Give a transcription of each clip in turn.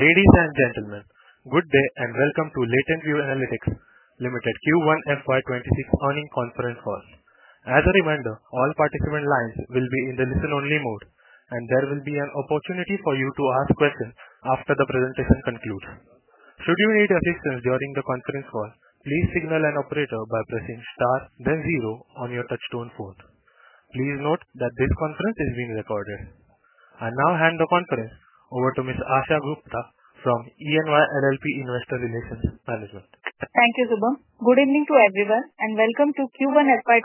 Ladies and gentlemen, good day and welcome to LatentView Analytics Limited Q1 FY 2026 earnings conference call. As a reminder, all participant lines will be in the listen-only mode, and there will be an opportunity for you to ask questions after the presentation concludes. Should you need assistance during the conference call, please signal an operator by pressing star then zero on your touchtone phone. Please note that this conference is being recorded. I now hand the conference over to Ms. Asha Gupta from EY LLP Investor Relations Management. Thank you, Shubham. Good evening to everyone and welcome to the Q1 FY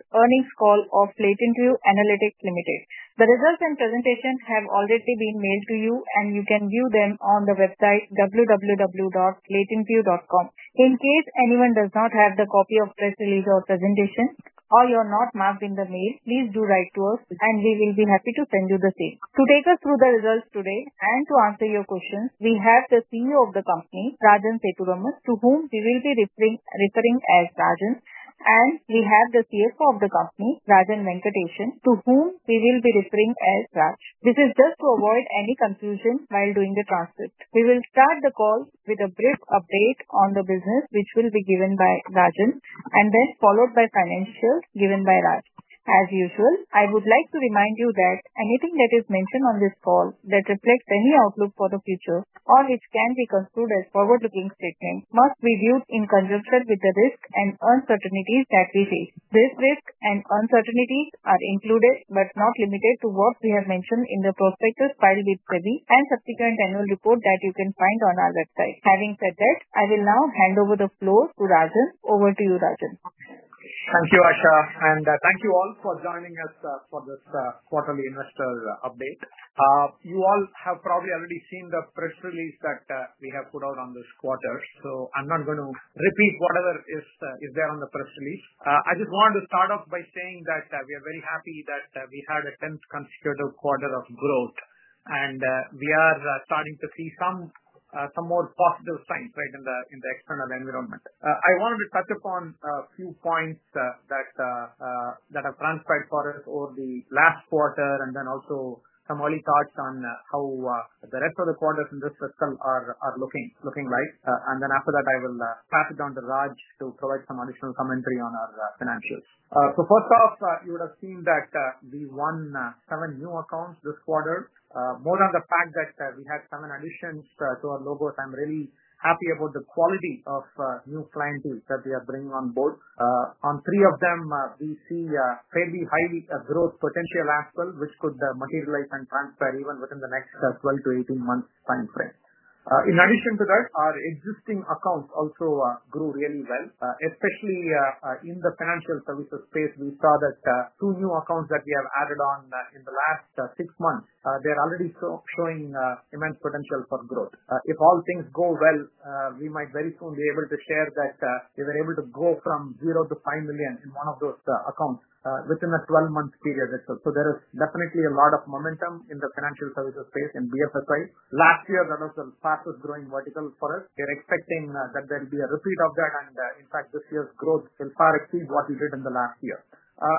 2026 earnings call of LatentView Analytics Limited. The results and presentations have already been mailed to you, and you can view them on the website www.latentview.com. In case anyone does not have the copy of the press release or presentation, or you are not marked in the mail, please do write to us, and we will be happy to send you the same. To take us through the results today and to answer your questions, we have the CEO of the company, Rajan Sethuraman, to whom we will be referring as Rajan, and we have the CFO of the company, Rajan Venkatesan, to whom we will be referring as Raj. This is just to avoid any confusion while doing the transcript. We will start the call with a brief update on the business, which will be given by Rajan, and then followed by financials given by Raj. As usual, I would like to remind you that anything that is mentioned on this call that reflects any outlook for the future or which can be construed as forward-looking statements must be viewed in conjunction with the risks and uncertainties that we face. These risks and uncertainties are included but not limited to what we have mentioned in the prospectus file we've prepared and subsequent annual report that you can find on our website. Having said that, I will now hand over the floor to Rajan. Over to you, Rajan. Thank you, Asha. Thank you all for joining us for this quarterly investor update. You all have probably already seen the press release that we have put out on this quarter, so I'm not going to repeat whatever is there on the press release. I just wanted to start off by saying that we are very happy that we had a 10th consecutive quarter of growth, and we are starting to see some more positive signs in the external environment. I wanted to touch upon a few points that have transpired for us over the last quarter, and also some early thoughts on how the rest of the quarters in this fiscal are looking like. After that, I will pass it on to Raj to provide some additional commentary on our financials. First off, you would have seen that we won seven new accounts this quarter. More on the fact that we had seven additions to our logos, I'm really happy about the quality of new clientele that we are bringing on board. On three of them, we see a fairly high growth potential as well, which could materialize and transpire even within the next 12 to 18 months' timeframe. In addition to that, our existing accounts also grew really well, especially in the financial services space. We saw that two new accounts that we have added on in the last six months are already showing immense potential for growth. If all things go well, we might very soon be able to share that we were able to go from zero to $5 million in one of those accounts within a 12-month period. There is definitely a lot of momentum in the financial services space and BFSI. Last year, that was the fastest growing vertical for us. We are expecting that there will be a repeat of that, and in fact, this year's growth will far exceed what we did in the last year.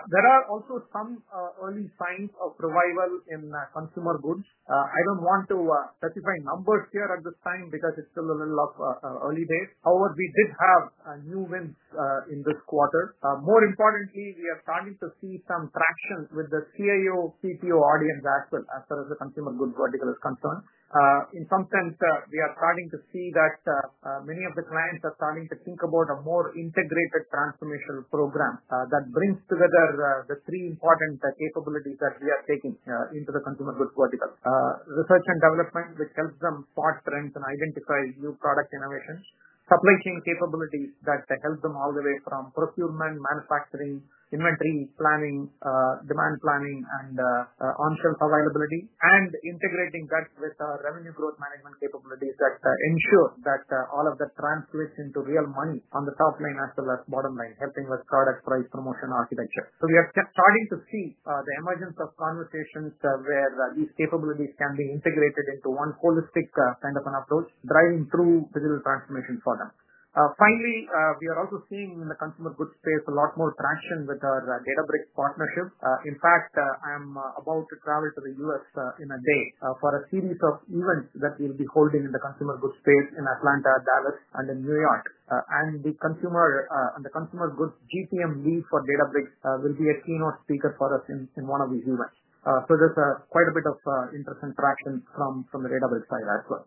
There are also some early signs of revival in consumer goods. I don't want to specify numbers here at this time because it's still a little early days. However, we did have new wins in this quarter. More importantly, we are starting to see some traction with the CAO/PPO audience as well, as far as the consumer goods vertical is concerned. In some sense, we are starting to see that many of the clients are starting to think about a more integrated transformational program that brings together the three important capabilities that we are taking into the consumer goods vertical: research and development, which helps them part strength and identify new product innovation; supply chain capabilities that help them all the way from procurement, manufacturing, inventory planning, demand planning, and on-shelf availability, and integrating that with our revenue growth management capabilities that ensure that all of that translates into real money on the top line as well as bottom line, helping with product price promotion architecture. We are just starting to see the emergence of conversations where these capabilities can be integrated into one holistic kind of an approach, driving through digital transformation for them. Finally, we are also seeing in the consumer goods space a lot more traction with our Databricks partnership. In fact, I'm about to travel to the U.S. in a day for a series of events that we'll be holding in the consumer goods space in Atlanta, Dallas, and in New York. The consumer goods GCM lead for Databricks will be a keynote speaker for us in one of these events. There is quite a bit of interest and traction from the Databricks side as well.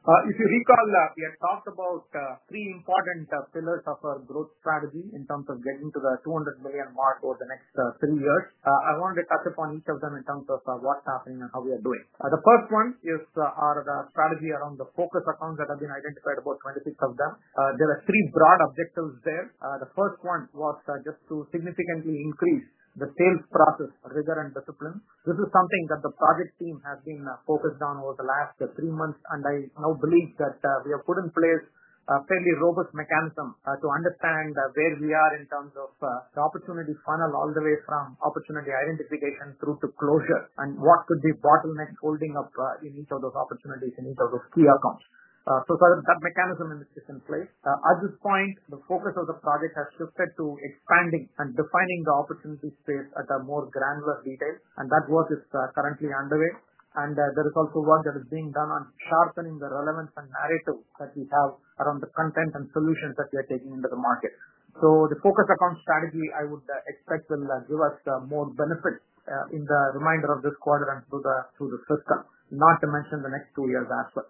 If you recall, we have talked about three important pillars of our growth strategy in terms of getting to the $200 million mark over the next three years. I wanted to touch upon each of them in terms of what's happening and how we are doing. The first one is our strategy around the focus accounts that have been identified, about 26 of them. There are three broad objectives there. The first one was just to significantly increase the sales process rigor and discipline. This is something that the project team has been focused on over the last three months, and I now believe that we have put in place a fairly robust mechanism to understand where we are in terms of the opportunity funnel all the way from opportunity identification through to closure and what could be bottlenecks holding up in each of those opportunities in each of those key accounts. That mechanism is in place. At this point, the focus of the project has shifted to expanding and defining the opportunity space at a more granular detail, and that work is currently underway. There is also work being done on sharpening the relevance and narrative that we have around the content and solutions that we are taking into the market. The focus account strategy, I would expect, will give us more benefit in the remainder of this quarter and through the fiscal, not to mention the next two years as well.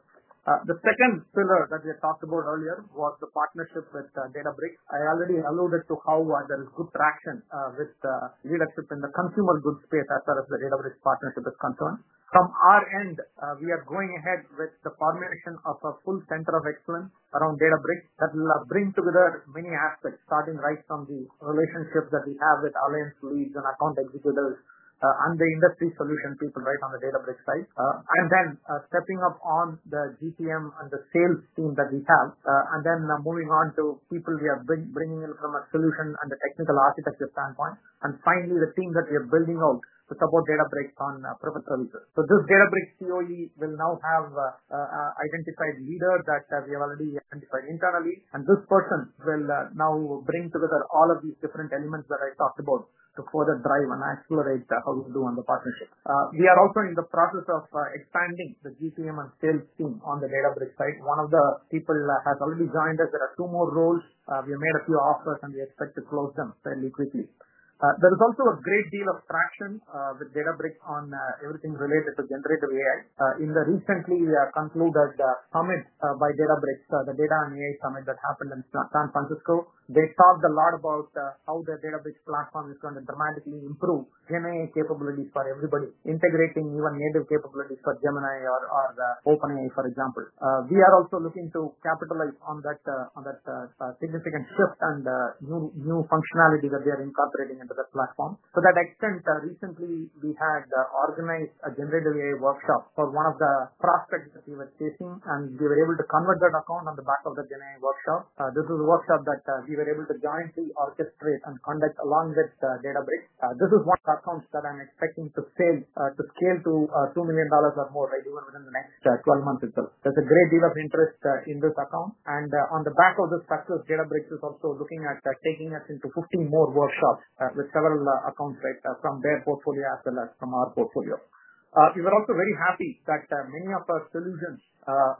The second pillar that we had talked about earlier was the partnership with Databricks. I already alluded to how there is good traction with the leadership in the consumer goods space as far as the Databricks partnership is concerned. From our end, we are going ahead with the formation of a full Center of Excellence around Databricks that will bring together many aspects, starting right from the relationships that we have with Allianz, Louise, and account executors, and the industry solution people right on the Databricks side, then stepping up on the GCM and the sales team that we have, and then moving on to people we are bringing in from a solution and the technical architecture standpoint. Finally, the team that we are building out to support Databricks on a profitability side. This Databricks COE will now have an identified leader that we have already identified internally, and this person will now bring together all of these different elements that I talked about to further drive and accelerate how we do on the partnership. We are also in the process of expanding the GCM and sales team on the Databricks side. One of the people has already joined us. There are two more roles. We have made a few offers, and we expect to close them fairly quickly. There is also a great deal of traction with Databricks on everything related to generative AI. In the recently concluded summit by Databricks, the Data and AI Summit that happened in San Francisco, they talked a lot about how their Databricks platform is going to dramatically improve GenAI capabilities for everybody, integrating even native capabilities for Gemini or OpenAI, for example. We are also looking to capitalize on that significant shift and new functionality that they are incorporating into the platform. To that extent, recently we had organized a generative AI workshop for one of the prospects that we were chasing, and we were able to convert that account on the back of the GenAI workshop. This is a workshop that we were able to jointly orchestrate and conduct along with Databricks. This is one of the accounts that I'm expecting to scale to $2 million or more, even within the next 12 months or so. There's a great deal of interest in this account, and on the back of this touchless Databricks, it's also looking at taking us into 15 more workshops with several accounts, from their portfolio as well as from our portfolio. We were also very happy that many of our solutions,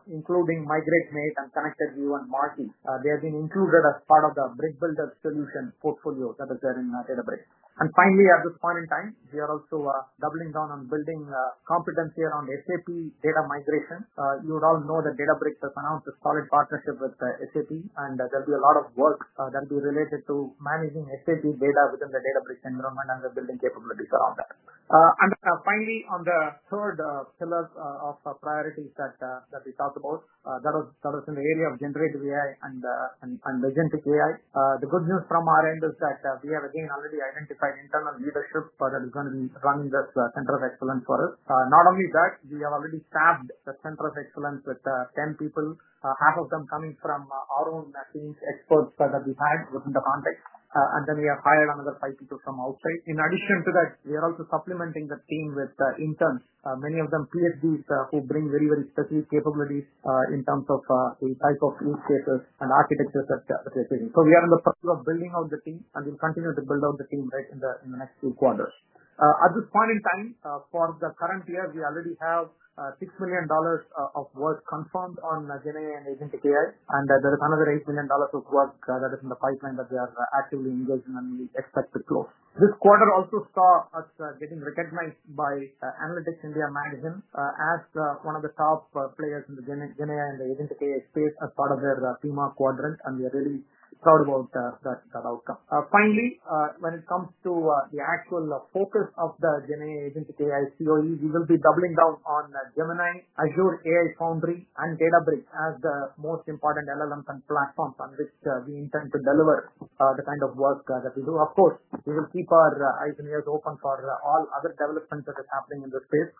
including Migrate Mate, ConnectedView, and Markey, have been included as part of the Brick Builder solution portfolio that is there in Databricks. At this point in time, we are also doubling down on building competency around SAP data migration. You would all know that Databricks has announced a solid partnership with SAP, and there will be a lot of work that will be related to managing SAP data within the Databricks environment and building capabilities around it. On the third pillar of priorities that we talked about, that was in the area of generative AI and Agentic AI. The good news from our end is that we have, again, already identified internal leadership that is going to be running this Center of Excellence for us. Not only that, we have already staffed the Center of Excellence with 10 people, half of them coming from our own teams, experts that we've had within the context, and then we have hired another five people from outside. In addition to that, we are also supplementing the team with interns, many of them PhDs, who bring very, very special capabilities in terms of the type of use cases and architectures that we are taking. We are in the process of building out the team, and we'll continue to build out the team in the next two quarters. At this point in time, for the current year, we already have $6 million of work confirmed on GenAI and Agentic AI, and there is another $8 million of work that is in the pipeline that they are actively engaged in, and we expect to close. This quarter also saw us getting recognized by Analytics India Magazine as one of the top players in the GenAI and Agentic AI space as part of their PMA Quadrant, and we are really proud about that outcome. Finally, when it comes to the actual focus of the GenAI Agentic AI COE, we will be doubling down on Gemini, Azure AI Foundry, and Databricks as the most important LLM platforms on which we intend to deliver the kind of work that we do. Of course, we will keep our eyes and ears open for all other developments that are happening in the space.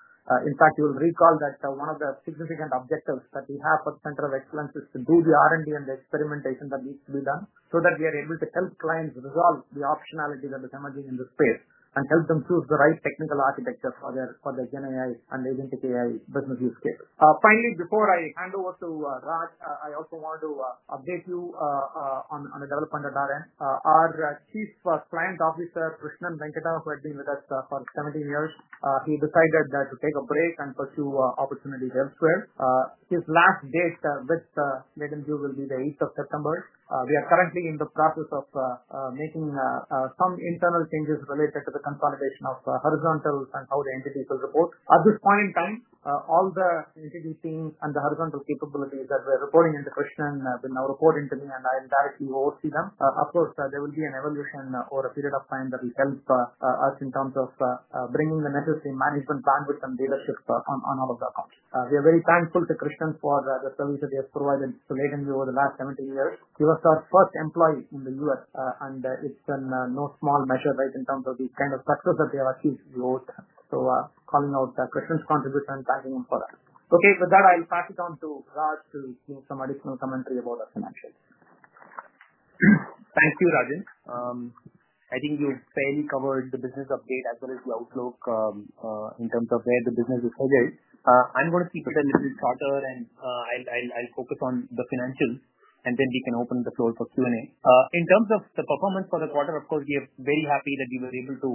In fact, you will recall that one of the significant objectives that we have for the Center of Excellence is to do the R&D and the experimentation that needs to be done so that we are able to help clients resolve the optionality that is emerging in the space and help them choose the right technical architecture for their GenAI and Agentic AI business use case. Finally, before I hand over to Raj, I also want to update you on the development at our end. Our Chief Client Officer, Krishnan Venkata, who had been with us for 17 years, decided to take a break and pursue opportunities elsewhere. His last date with LatentView Analytics Limited will be the 8th of September. We are currently in the process of making some internal changes related to the consolidation of horizontal and how the entity will report. At this point in time, all the entity team and the horizontal capabilities that were reporting into Krishnan will now report into me, and I'll directly oversee them. There will be an evolution over a period of time that will help us in terms of bringing the necessary management plan with some data shift on all of the accounts. We are very thankful to Krishnan for the service that he has provided to LatentView over the last 17 years. He was our first employee in the U.S., and it's in no small measure, right, in terms of the kind of success that they have achieved with us. Calling out Krishnan's contribution and thanking him for that. With that, I'll pass it on to Raj to give some additional commentary about our financials. Thank you, Rajan. I think you've fairly covered the business update as well as the outlook in terms of where the business is headed. I'm going to keep it a little shorter, and I'll focus on the financials, and then we can open the floor for Q&A. In terms of the performance for the quarter, of course, we are very happy that we were able to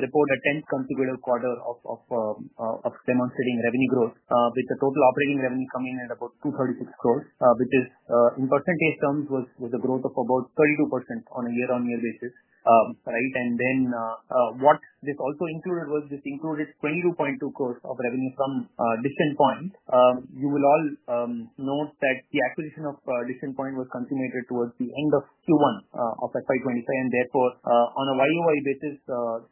report a 10th consecutive quarter of demonstrating revenue growth, with the total operating revenue coming in at about 236 crores, which, in percentage terms, was a growth of about 32% on a year-on-year basis. Right. What this also included was 22.2 crores of revenue from Decision Point. You will all note that the acquisition of Decision Point was consummated towards the end of Q1 of FY 2023, and therefore, on a YOY basis,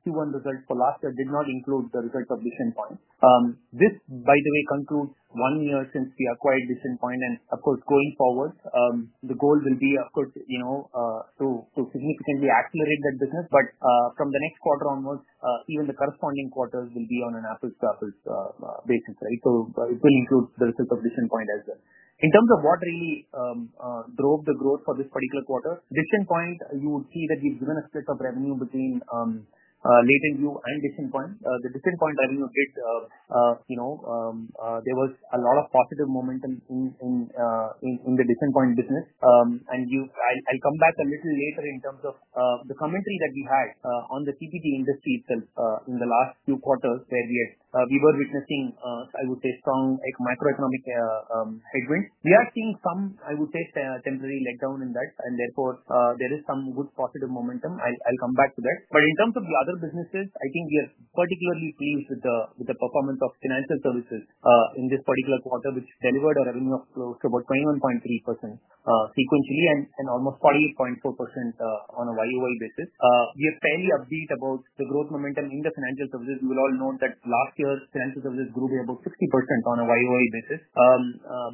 Q1 results for last year did not include the results of Decision Point. This, by the way, concludes one year since we acquired Decision Point, and of course, going forward, the goal will be to significantly accelerate that business. From the next quarter onwards, even the corresponding quarters will be on an apples-to-apples basis, right? It will include the results of Decision Point as well. In terms of what really drove the growth for this particular quarter, Decision Point, you would see that we've driven a split of revenue between LatentView and Decision Point. The Decision Point revenue split, there was a lot of positive momentum in the Decision Point business. I'll come back a little later in terms of the commentary that we had on the CPG industry itself in the last few quarters where we were witnessing, I would say, strong microeconomic headwinds. We are seeing some, I would say, temporary letdown in that, and therefore, there is some good positive momentum. I'll come back to that. In terms of the other businesses, I think we are particularly pleased with the performance of financial services in this particular quarter, which delivered a revenue of close to about 21.3% sequentially and almost 48.4% on a YOY basis. We are fairly upbeat about the growth momentum in the financial services. You will all note that last year's financial services grew by about 60% on a YOY basis.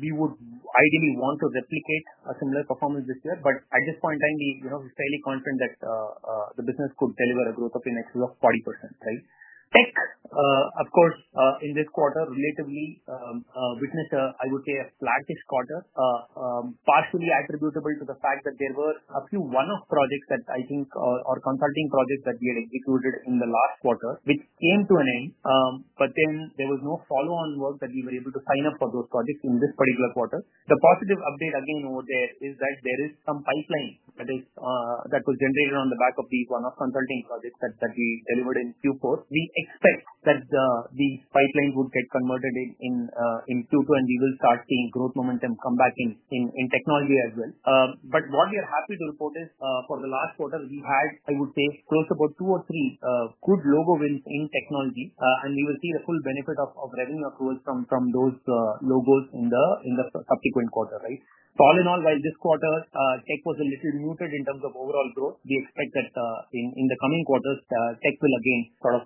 We would ideally want to replicate a similar performance this year, but at this point in time, we are fairly confident that the business could deliver a growth of a next of 40%. Right. Next, of course, in this quarter, we relatively witnessed, I would say, a flattish quarter, partially attributable to the fact that there were actually one of the projects that I think, or consulting projects that we had included in the last quarter, which came to an end. There was no follow-on work that we were able to sign up for those projects in this particular quarter. The positive update, again, over there is that there is some pipeline that was generated on the back of these one-off consulting projects that we delivered in Q4. We expect that these pipelines would get converted in Q2, and we will start seeing growth momentum come back in technology as well. What we are happy to report is for the last quarter, we had, I would say, close to about two or three good logo wins in technology, and we will see the full benefit of revenue accruals from those logos in the subsequent quarter. Right. All in all, while this quarter tech was a little muted in terms of overall growth, we expect that in the coming quarters, tech will again sort of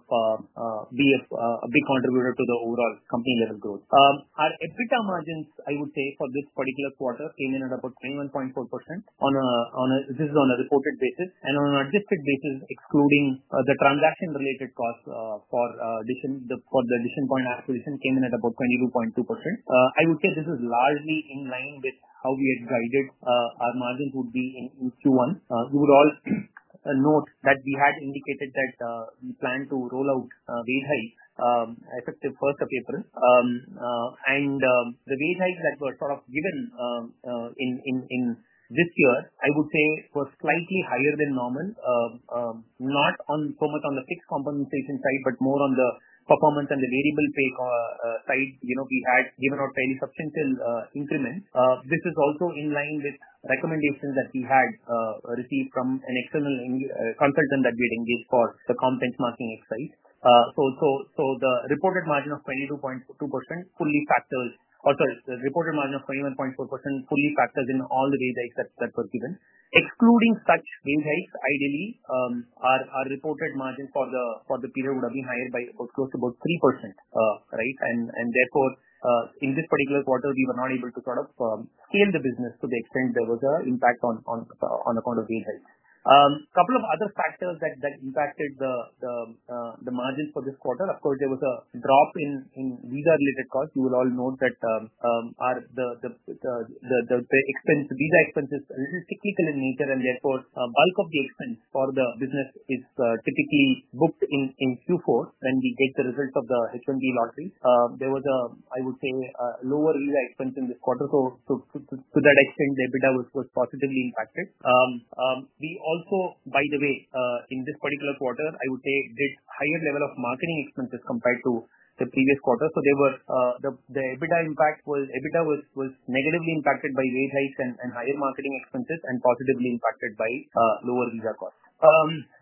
be a big contributor to the overall company-level growth. Our EBITDA margins, I would say, for this particular quarter came in at about 21.4% on a, this is on a reported basis, and on an adjusted basis, excluding the transaction-related costs for the Decision Point acquisition, came in at about 22.2%. I would say this is largely in line with how we had guided our margins would be in Q1. We would also note that we had indicated that we plan to roll out wage hikes effective 1st of April. The wage hikes that were sort of given in this year, I would say, were slightly higher than normal, not so much on the fixed compensation side, but more on the performance and the variable pay side. We had given out fairly substantive increments. This is also in line with recommendations that we had received from an external consultant that we had engaged for the comp benchmarking exercise. The reported margin of 21.4% fully factors in all the wage hikes that were given. Excluding such wage hikes, ideally, our reported margin for the period would have been higher by close to about 3%. Right. Therefore, in this particular quarter, we were not able to sort of scale the business to the extent there was an impact on account of wage hikes. A couple of other factors that impacted the margins for this quarter, of course, there was a drop in visa-related costs. You will all note that the visa expense is a little cyclical in nature, and therefore, a bulk of the expense for the business is typically booked in Q4 when we get the results of the H1B lottery. There was, I would say, a lower visa expense in this quarter. To that extent, the EBITDA was positively impacted. We also, by the way, in this particular quarter, did a higher level of marketing expenses compared to the previous quarter. The EBITDA impact was negatively impacted by wage hikes and higher marketing expenses and positively impacted by lower visa costs.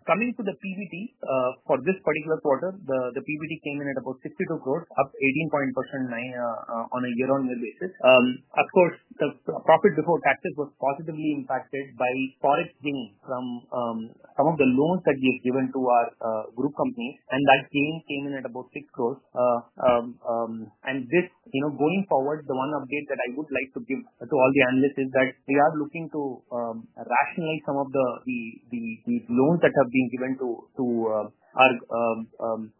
Coming to the PBT for this particular quarter, the PBT came in at about 62 crore, up 18.9% on a year-on-year basis. Of course, the profit before taxes was positively impacted by storage GME from some of the loans that we have given to our group companies, and that GME came in at about 6 crore. Going forward, the one update that I would like to give to all the analysts is that we are looking to rationalize some of the loans that have been given to our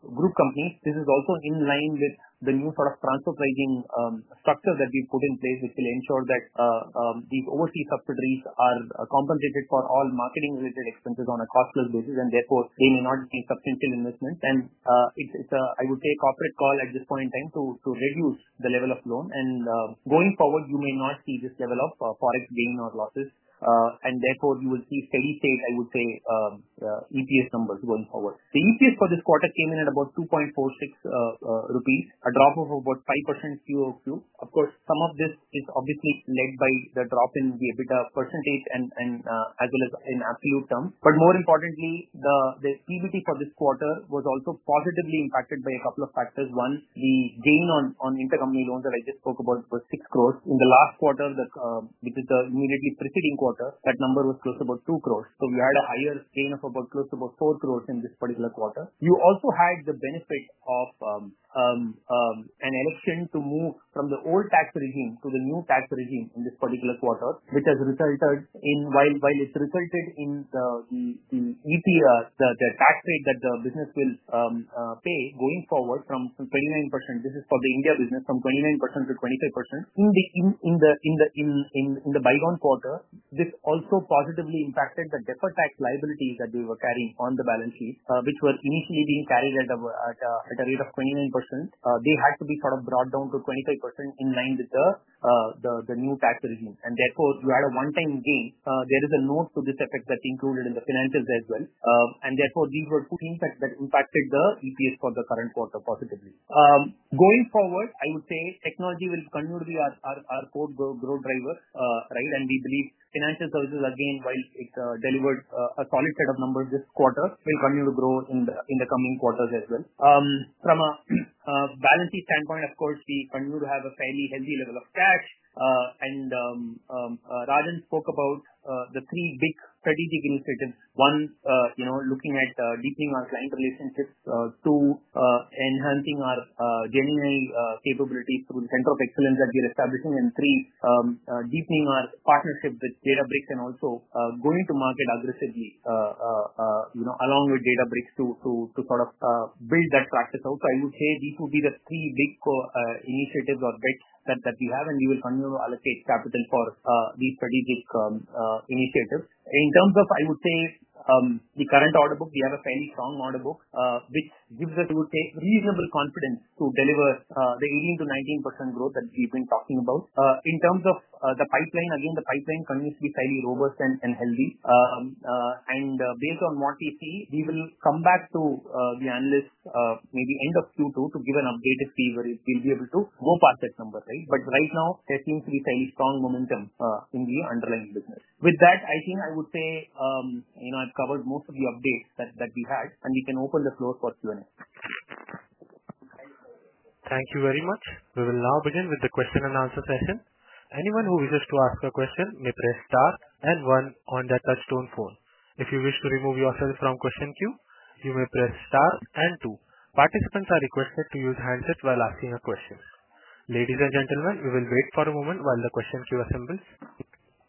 group companies. This is also in line with the new sort of transfer pricing structure that we put in place. It will ensure that these overseas subsidiaries are compensated for all marketing-related expenses on a cost-plus basis, and therefore, they may not see substantial investment. It is a, I would say, a corporate call at this point in time to reduce the level of loan. Going forward, you may not see this level of forex gain or losses, and therefore, you will see steady state, I would say, EPS numbers going forward. The EPS for this quarter came in at about 2.46 rupees, a drop of about 5% QOQ. Of course, some of this is obviously led by the drop in the EBITDA percentage as well as in absolute terms. More importantly, the PBT for this quarter was also positively impacted by a couple of factors. One, the gain on intercompany loans that I just spoke about was 6 crore. In the last quarter, which is the immediately preceding quarter, that number was close to about 2 crore. We had a higher gain of about close to 4 crore in this particular quarter. You also had the benefit of an election to move from the old tax regime to the new tax regime in this particular quarter, which has resulted in, while it's resulted in the EPR, the tax rate that the business will pay going forward from 29%. This is for the India business, from 29% to 25%. In the bygone quarter, this also positively impacted the deferred tax liabilities that we were carrying on the balance sheet, which were initially being carried at a rate of 29%. They had to be brought down to 25% in line with the new tax regime. Therefore, you had a one-time gain. There is a note to this effect included in the financials as well. Therefore, these were two things that impacted the EPS for the current quarter positively. Going forward, I would say technology will continue to be our core growth driver, right? We believe financial services, again, while it delivered a solid set of numbers this quarter, will continue to grow in the coming quarters as well. From a balance sheet standpoint, of course, we continue to have a fairly healthy level of cash. Rajan spoke about the three big strategic initiatives. One, looking at deepening our client relationships; two, enhancing our GenAI capabilities through the Center of Excellence that we are establishing; and three, deepening our partnership with Databricks and also going to market aggressively along with Databricks to build that practice out. I would say these would be the three big initiatives or bits that we haved we will continue to allocate capital for these strategic initiatives. In terms of the current order book, we have a fairly strong order book, which gives us reasonable confidence to deliver the 18%-19% growth that we've been talking about. In terms of the pipeline, again, the pipeline continues to be fairly robust and healthy. Based on what we see, we will come back to the analysts maybe end of Q2 to give an update to see where we'll be able to go past that number, right? Right now, there seems to be fairly strong momentum in the underlying business. With that, I think I would say I've covered most of the updates that we had, and we can open the floor for Q&A. Thank you very much. We will now begin with the question and answer session. Anyone who wishes to ask a question may press star and one on their touchstone phone. If you wish to remove yourself from the question queue, you may press star and two. Participants are requested to use handsets while asking a question. Ladies and gentlemen, we will wait for a moment while the question queue assembles.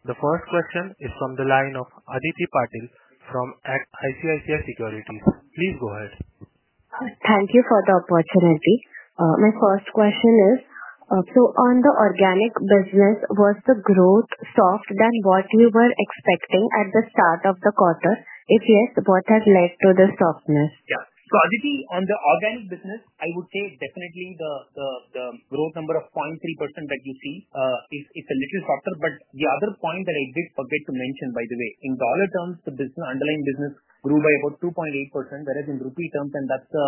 The first question is from the line of Aditi Patil from ICICI Securities. Please go ahead. Thank you for the opportunity. My first question is, on the organic business, was the growth softer than what you were expecting at the start of the quarter? If yes, what has led to the softness? Yes. Aditi, on the organic business, I would say definitely the growth number of 0.3% that you see is a little softer. The other point that I did forget to mention, by the way, in dollar terms, the underlying business grew by about 2.8%. That is in rupee terms, and that's the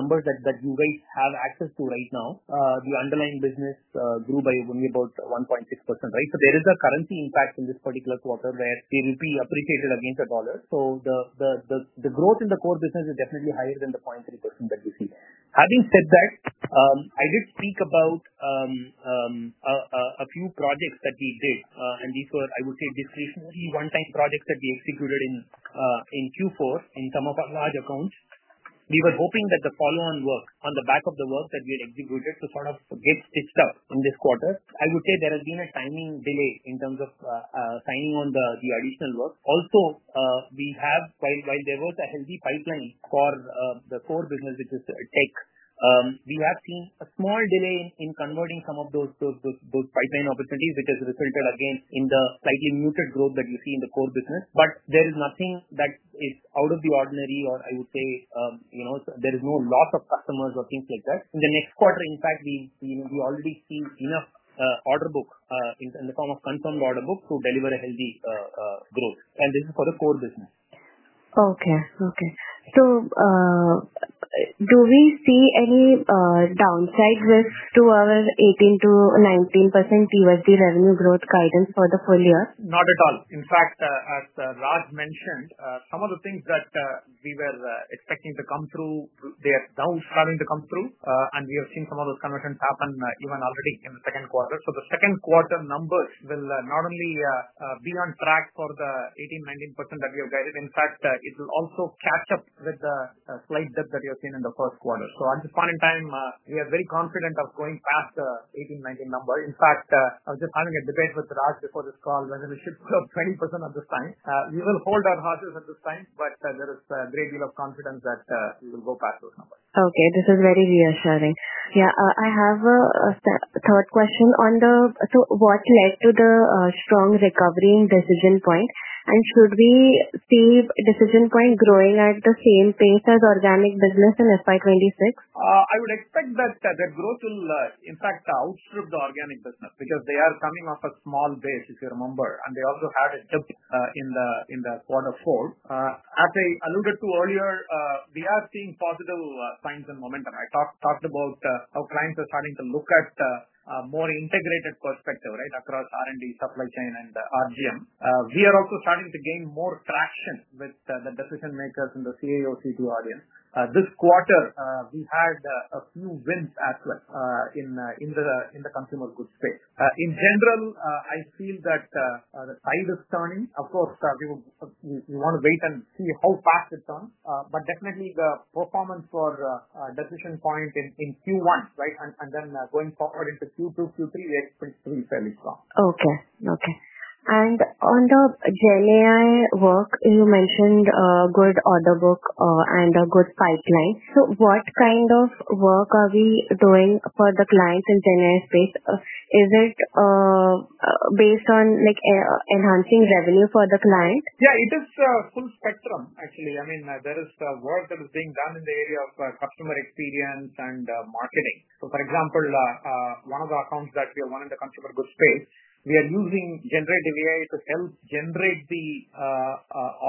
numbers that you guys have access to right now. The underlying business grew by only about 1.6%, right? There is a currency impact in this particular quarter where the rupee appreciated against the dollar. The growth in the core business is definitely higher than the 0.3% that you see. Having said that, I did speak about a few projects that we did, and these were, I would say, this is only one type of project that we executed in Q4 in some of our large accounts. We were hoping that the follow-on work on the back of the work that we had executed to sort of get stitched up in this quarter. I would say there has been a timing delay in terms of signing on the additional work. Also, while there was a healthy pipeline for the core business, which is tech, we have seen a small delay in converting some of those pipeline opportunities, which has resulted, again, in the slightly muted growth that you see in the core business. There is nothing that is out of the ordinary, or I would say, you know, there is no loss of customers or things like that. In the next quarter, in fact, we already see enough order book in the form of confirmed order book to deliver a healthy growth. This is for the core business. Okay. Do we see any downside risks to our 18%-19% USD revenue growth guidance for the full year? Not at all. In fact, as Raj mentioned, some of the things that we were expecting to come through are now starting to come through, and we have seen some of those conversions happen even already in the second quarter. The second quarter numbers will not only be on track for the 18%-19% that we have guided, in fact, it will also catch up with the slight dip that we have seen in the first quarter. At this point in time, we are very confident of going past the 18%-19% number. In fact, I was just having a debate with Raj before this call whether we should put up 20% at this time. We will hold our horses at this time, but there is a great deal of confidence that we will go past those numbers. Okay. This is very reassuring. I have a third question on the, what led to the strong recovery in Decision Point? Should we see Decision Point growing at the same pace as organic business in FY2026? I would expect that their growth will impact the outskirts of the organic business because they are coming off a small base, if you remember, and they also had a dip in the quarter four. As I alluded to earlier, we are seeing positive signs and momentum. I talked about how clients are starting to look at a more integrated perspective, right, across R&D, supply chain, and RGM. We are also starting to gain more traction with the decision makers and the CAO/C2 audience. This quarter, we had a few wins as well in the consumer goods space. In general, I feel that the tide is turning. Of course, we want to wait and see how fast it turns, but definitely the performance for Decision Point in Q1, and then going forward into Q2, Q3, we are expected to be fairly strong. Okay. Okay. On the GenAI work, you mentioned a good order book and a good pipeline. What kind of work are we doing for the client in the GenAI space? Is it based on like enhancing revenue for the client? Yeah, it is a full spectrum, actually. I mean, there is the work that is being done in the area of customer experience and marketing. For example, one of the accounts that we are on in the consumer goods space, we are using generative AI to help generate the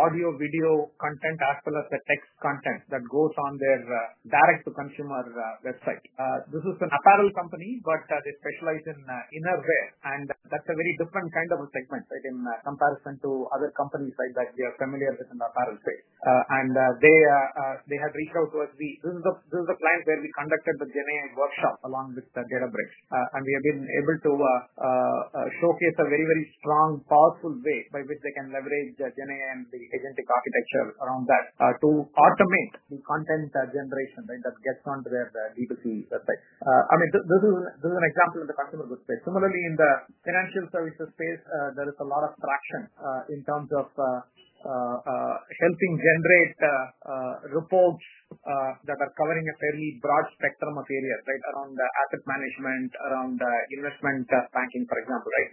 audio-video content as well as the text content that goes on their direct-to-consumer website. This is an apparel company, but they specialize in innerwear, and that's a very different kind of a segment, right, in comparison to other companies, right, that we are familiar with in the apparel space. They had reached out to us. This is the place where we conducted the GenAI workshop along with Databricks, and we have been able to showcase a very, very strong, powerful way by which they can leverage GenAI and the agentic architecture around that to automate the content generation, right, that gets onto their D2C website. I mean, this is an example in the consumer goods space. Similarly, in the financial services space, there is a lot of traction in terms of helping generate reports that are covering a very broad spectrum of areas, right, around the asset management, around the investment banking, for example, right?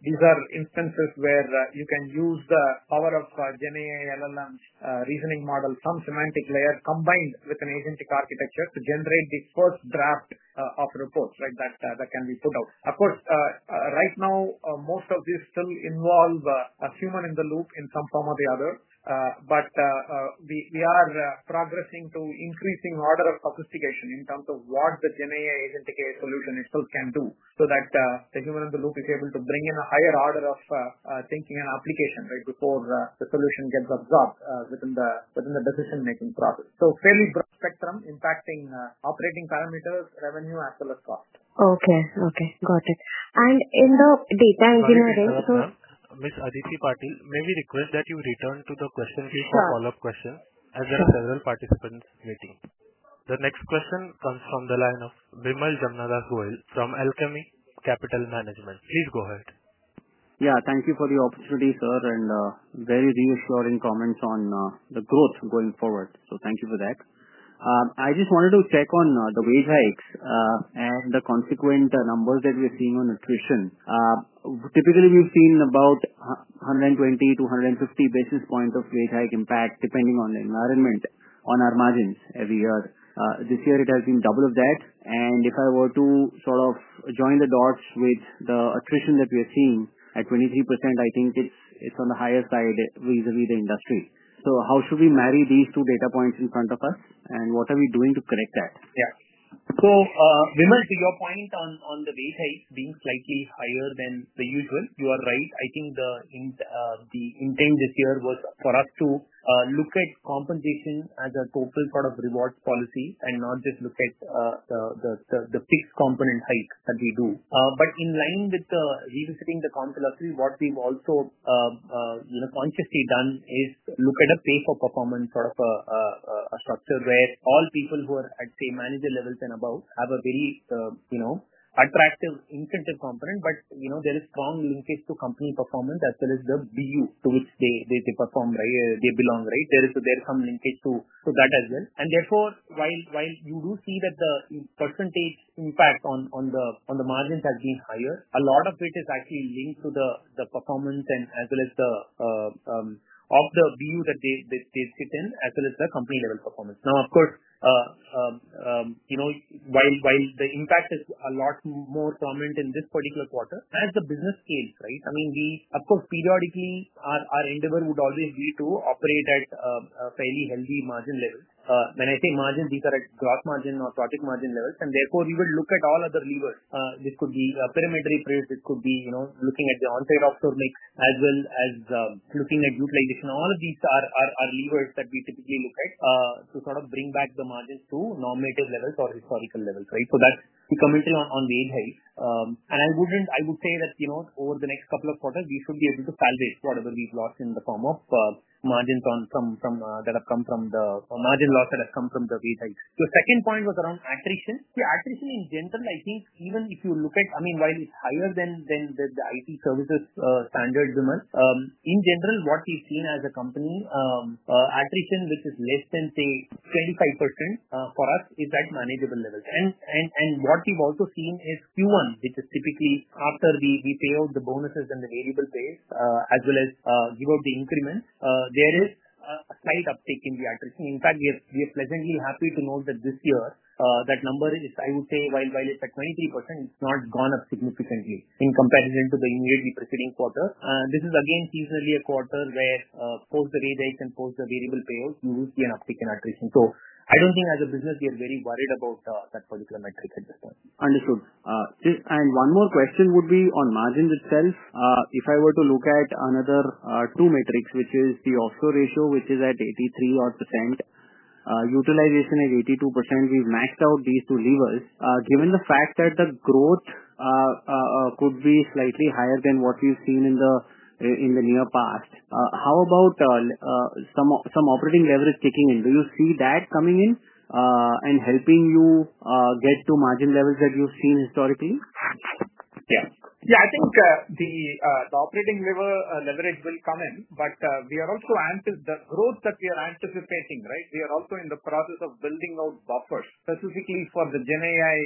These are instances where you can use the power of GenAI LLMs, reasoning models, some semantic layer combined with an agentic architecture to generate the first draft of reports, right, that can be put out. Of course, right now, most of these still involve a human in the loop in some form or the other, but we are progressing to increasing order of sophistication in terms of what the GenAI agentic solution itself can do so that the human in the loop is able to bring in a higher order of thinking and application, right, before the solution gets absorbed within the decision-making process. Fairly broad spectrum impacting operating parameters, revenue, as well as cost. Okay. Got it. In the data engineering. Okay. Ms. Aditi Patil, may we request that you return to the question sheet for follow-up questions as there are forward participants waiting? The next question comes from the line of Vimal Jhamnadas Gohil from Alchemy Capital Management. Please go ahead. Thank you for the opportunity, sir, and very reassuring comments on the growth going forward. Thank you for that. I just wanted to check on the wage hikes and the consequent numbers that we are seeing on attrition. Typically, we've seen about 120 basis points-150 basis points of wage hike impact, depending on the environment, on our margins every year. This year, it has been double of that. If I were to sort of join the dots with the attrition that we are seeing at 23%, I think it's on the highest side vis-à-vis the industry. How should we marry these two data points in front of us, and what are we doing to correct that? Vimal, to your point on the wage hike being slightly higher than the usual, you are right. I think the intent this year was for us to look at compensation as a total sort of rewards policy and not just look at the fixed component hike that we do. In line with revisiting the comp philosophy, what we've also consciously done is look at a pay-for-performance sort of a structure where all people who are at, say, manager levels and above have a very attractive incentive component. There is strong linkage to company performance as well as the BU to which they perform, they belong, right? There is some linkage to that as well. Therefore, while you do see that the percentage impact on the margins has been higher, a lot of it is actually linked to the performance as well as the BU that they sit in, as well as the company-level performance. Of course, while the impact is a lot more prominent in this particular quarter, as the business scales, we, of course, periodically, our endeavor would always be to operate at a fairly healthy margin level. When I say margin, these are at growth margin or profit margin levels. Therefore, we would look at all other levers. This could be a perimetry price. It could be looking at the onsite of the risk as well as looking at utilization. All of these are levers that we typically look at to sort of bring back the margins to normative levels or historical levels. That's the commentary on wage hike. I would say that over the next couple of quarters, we should be able to salvage whatever we've lost in the form of margins that have come from the margin loss that has come from the wage hike. Your second point was around attrition. Yeah, attrition in general, I think even if you look at, I mean, while it's higher than the IT services standard demand, in general, what we've seen as a company, attrition, which is less than, say, 25% for us, is at manageable levels. What we've also seen is Q1, which is typically after we pay out the bonuses and the variable pays, as well as give out the increments, there is a slight uptick in the attrition. In fact, we are pleasantly happy to note that this year, that number is, I would say, while it's at 20%, it's not gone up significantly in comparison to the immediately preceding quarter. This is, again, seasonally a quarter where post the wage hikes and post the variable payouts, you will see an uptick in attrition. I don't think as a business, we are very worried about that particular metric at this point. Understood. One more question would be on margins itself. If I were to look at another two metrics, which is the offshore ratio, which is at 83%, utilization at 82%, we've maxed out these two levers. Given the fact that the growth could be slightly higher than what we've seen in the near past, how about some operating leverage kicking in? Do you see that coming in and helping you get to margin levels that you've seen historically? Yeah, I think the operating leverage will come in, but we are also, the growth that we are anticipating, we are also in the process of building out buffers specifically for the GenAI,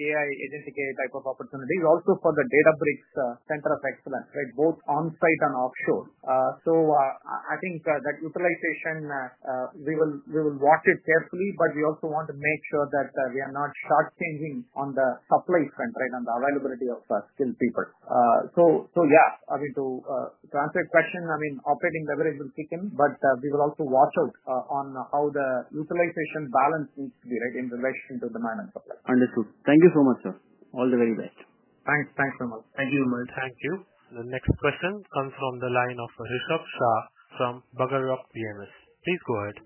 Agentic AI type of opportunity, also for the Databricks Center of Excellence, both onsite and offshore. I think that utilization, we will watch it carefully, but we also want to make sure that we are not short-thinking on the supply front, on the availability of skilled people. To answer your question, operating leverage will kick in, but we will also watch out on how the utilization balance needs to be, in relation to the management. Understood. Thank you so much, sir. All the very best. Thanks. Thanks, Vimal. Thank you, Vimal. Thank you. The next question comes from the line of Rishabh Shah from Bhagarurap PMS. Please go ahead.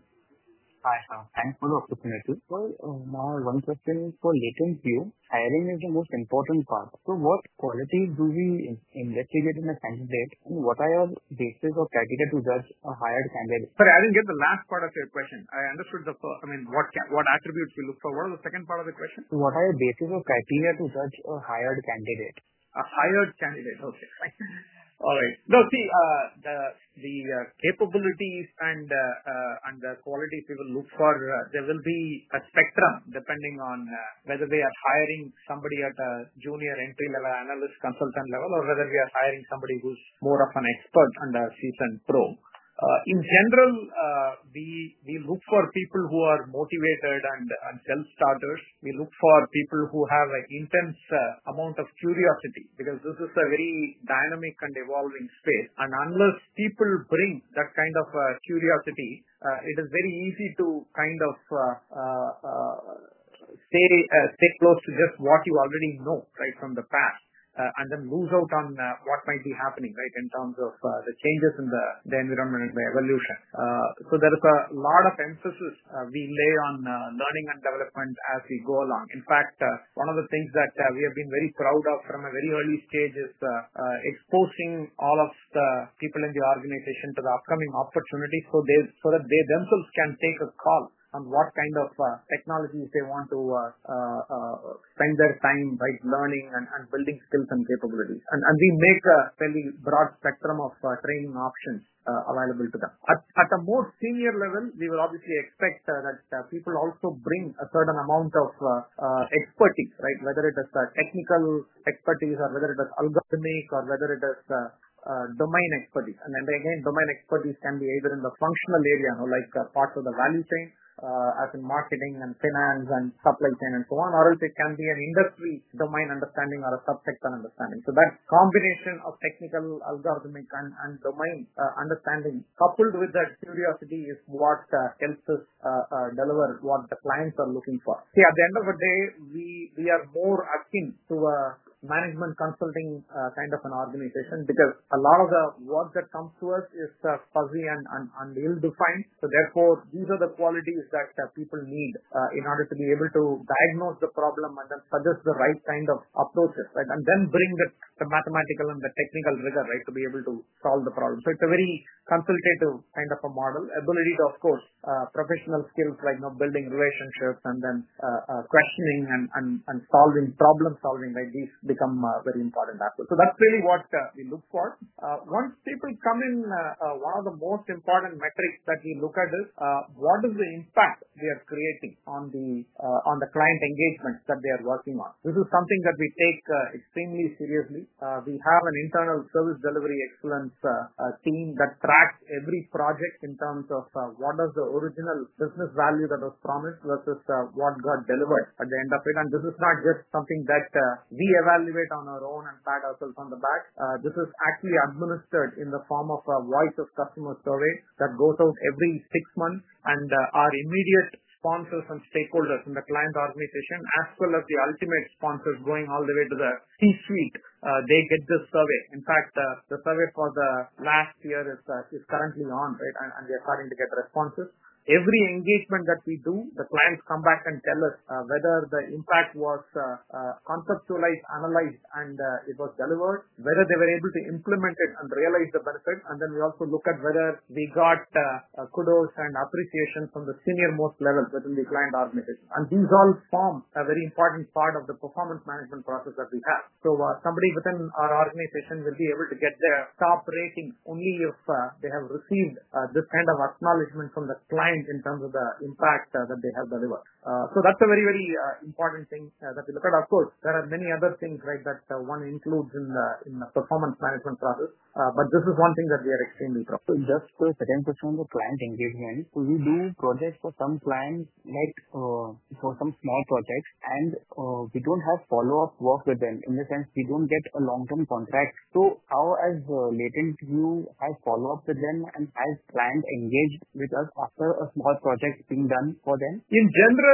Hi, sir. Thanks for the opportunity. One question for LatentView. Hiring is the most important part. What qualities do we investigate in a candidate? What are your basis or criteria to judge a hired candidate? Sorry, I didn't get the last part of your question. I understood the first, I mean, what attributes we look for. What was the second part of the question? What are your basis or criteria to judge a hired candidate? A hired candidate. Okay. All right. The capabilities and the qualities we will look for, there will be a spectrum depending on whether we are hiring somebody at a junior entry-level analyst consultant level or whether we are hiring somebody who's more of an expert and a seasoned pro. In general, we look for people who are motivated and self-starters. We look for people who have an intense amount of curiosity because this is a very dynamic and evolving space. Unless people bring that kind of curiosity, it is very easy to stay close to just what you already know from the past and then lose out on what might be happening in terms of the changes in the environment and the evolution. There is a lot of emphasis we lay on learning and development as we go along. In fact, one of the things that we have been very proud of from a very early stage is exposing all of the people in the organization to the upcoming opportunities so they themselves can take a call on what kind of technologies they want to spend their time learning and building skills and capabilities. We make a fairly broad spectrum of training options available to them. At the more senior level, we will obviously expect that people also bring a certain amount of expertise, whether it is the technical expertise or whether it is algorithmic or whether it is the domain expertise. Domain expertise can be either in the functional area, like parts of the value chain, as in marketing and finance and supply chain and so on, or else it can be an industry domain understanding or a subsector understanding. That combination of technical, algorithmic, and domain understanding coupled with that curiosity is what helps us deliver what the clients are looking for. At the end of the day, we are more akin to a management consulting kind of an organization because a lot of the work that comes to us is fuzzy and ill-defined. Therefore, these are the qualities that people need in order to be able to diagnose the problem and then suggest the right kind of approaches and then bring the mathematical and the technical rigor to be able to solve the problem. It's a very consultative kind of a model. Abilities, of course, professional skills, like building relationships and then questioning and problem-solving, these become very important aspects. That's really what we look for. Once people come in, one of the most important metrics that we look at is what is the impact we are creating on the client engagements that they are working on. This is something that we take extremely seriously. We have an internal service delivery excellence team that tracks every project in terms of what is the original business value that was promised versus what got delivered at the end of it. This is not just something that we evaluate on our own and pat ourselves on the back. This is actually administered in the form of a voice of customer survey that goes out every six months. Our immediate sponsors and stakeholders in the client organization, as well as the ultimate sponsors going all the way to the team suite, get this survey. In fact, the survey for the last year is currently on, right, and we are starting to get responses. Every engagement that we do, the clients come back and tell us whether the impact was conceptualized, analyzed, and it was delivered, whether they were able to implement it and realize the benefit. We also look at whether we got the kudos and appreciation from the senior most levels within the client organization. These all form a very important part of the performance management process that we have. Somebody within our organization will be able to get their top rating only if they have received this kind of acknowledgment from the client in terms of the impact that they have delivered. That's a very, very important thing that we look at. Of course, there are many other things, right, that one includes in the performance management process. This is one thing that we are extremely proud of. To extend the client engagement, we do projects for some clients, like for some small projects, and we don't have follow-up work with them. In the sense, we don't get a long-term contract. How has LatentView Analytics followed up with them, and has clients engaged with us after a small project being done for them? In general,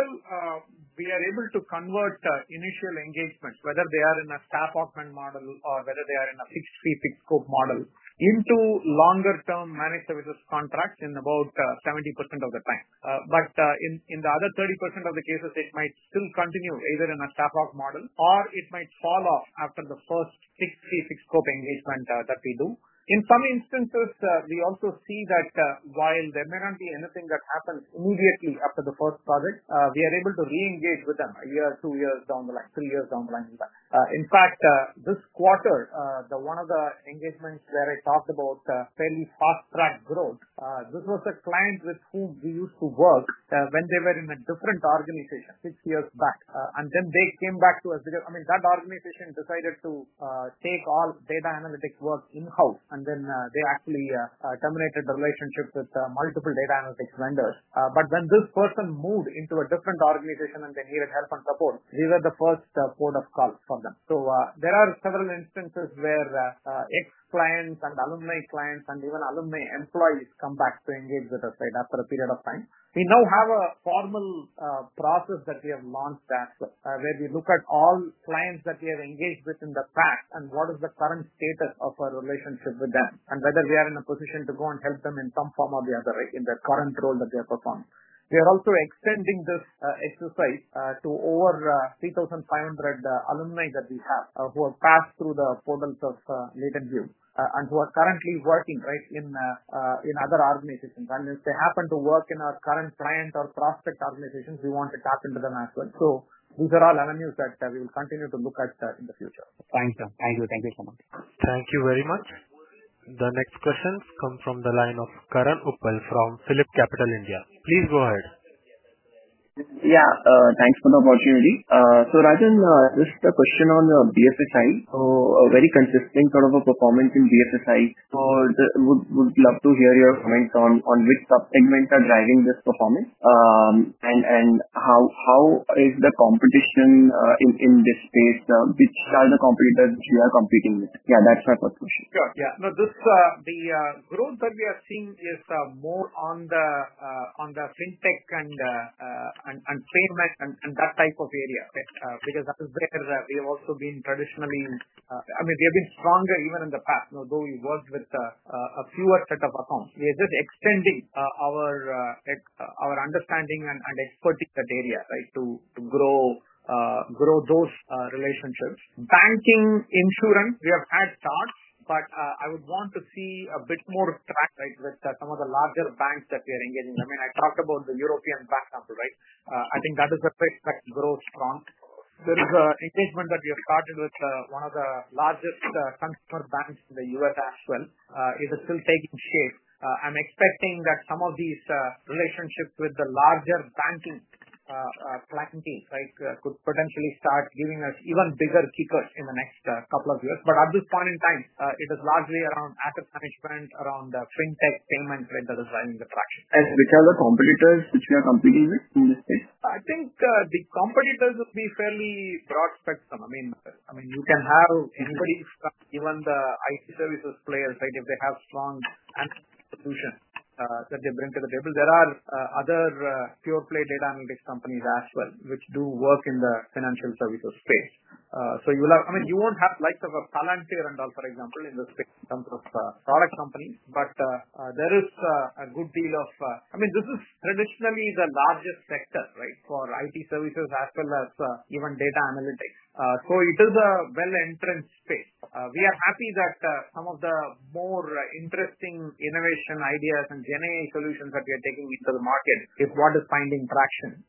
we are able to convert the initial engagement, whether they are in a staff augment model or whether they are in a fixed fee, fixed scope model, into longer-term managed services contracts in about 70% of the time. In the other 30% of the cases, it might still continue either in a staff augment model or it might fall off after the first fixed fee, fixed scope engagement that we do. In some instances, we also see that while there may not be anything that happens immediately after the first project, we are able to re-engage with them a year, two years down the line, three years down the line even. In fact, this quarter, one of the engagements where I talked about fairly fast-track growth, this was a client with whom we used to work when they were in a different organization six years back. They came back to us because that organization decided to take all data analytics work in-house, and they actually terminated the relationships with multiple data analytics vendors. When this person moved into a different organization and they needed help and support, we were the first port of call for them. There are several instances where ex-clients and alumni clients and even alumni employees come back to engage with us after a period of time. We now have a formal process that we have launched as well, where we look at all clients that we have engaged with in the past and what is the current state of our relationship with them and whether we are in a position to go and help them in some form or the other in the current role that they are performing. We are also extending this exercise to over 3,500 alumni that we have who have passed through the portals of LatentView and who are currently working in other organizations. If they happen to work in our current client or prospect organizations, we want to tap into them as well. These are all avenues that we will continue to look at in the future. Thanks, sir. Thank you. Thank you so much. Thank you very much. The next questions come from the line of Karan Uppal from PhillipCapital India. Please go ahead. Yeah. Thanks for the opportunity. Rajan, just a question on the BFSI, a very consistent sort of a performance in BFSI. I would love to hear your comments on which subsegments are driving this performance and how is the competition in this space. Who are the competitors we are competing with? That's my first question. Sure. Yeah. No, the growth that we are seeing is more on the fintech and payment and that type of area because the bill payers have also been traditionally, I mean, they have been stronger even in the past, though we worked with a fewer set of accounts. We are just extending our understanding and expertise in that area, right, to grow those relationships. Banking insurance, we have had starts, but I would want to see a bit more track, right, with some of the larger banks that we are engaging. I mean, I talked about the European bank sample, right? I think that is a place that grows strong. There is an engagement that we have started with one of the largest transfer banks in the U.S. as well. It is still taking shape. I'm expecting that some of these relationships with the larger banking plateau teams could potentially start giving us even bigger kickers in the next couple of years. At this point in time, it is largely around asset management, around the fintech payment thread that is driving the price. Which are the competitors which we are competing with in this space? I think the competitors would be fairly broad-spectrum. You can have anybody, even the IT services players, if they have strong asset solutions that they bring to the table. There are other pure-play data analytics companies as well which do work in the financial services space. You will not have like a Palantir and all, for example, in the space in terms of product companies, but there is a good deal of, this is traditionally the largest sector for IT services as well as even data analytics. It is a well-entrenched space. We are happy that some of the more interesting innovation ideas and GenAI solutions that we are taking into the market is what is finding traction.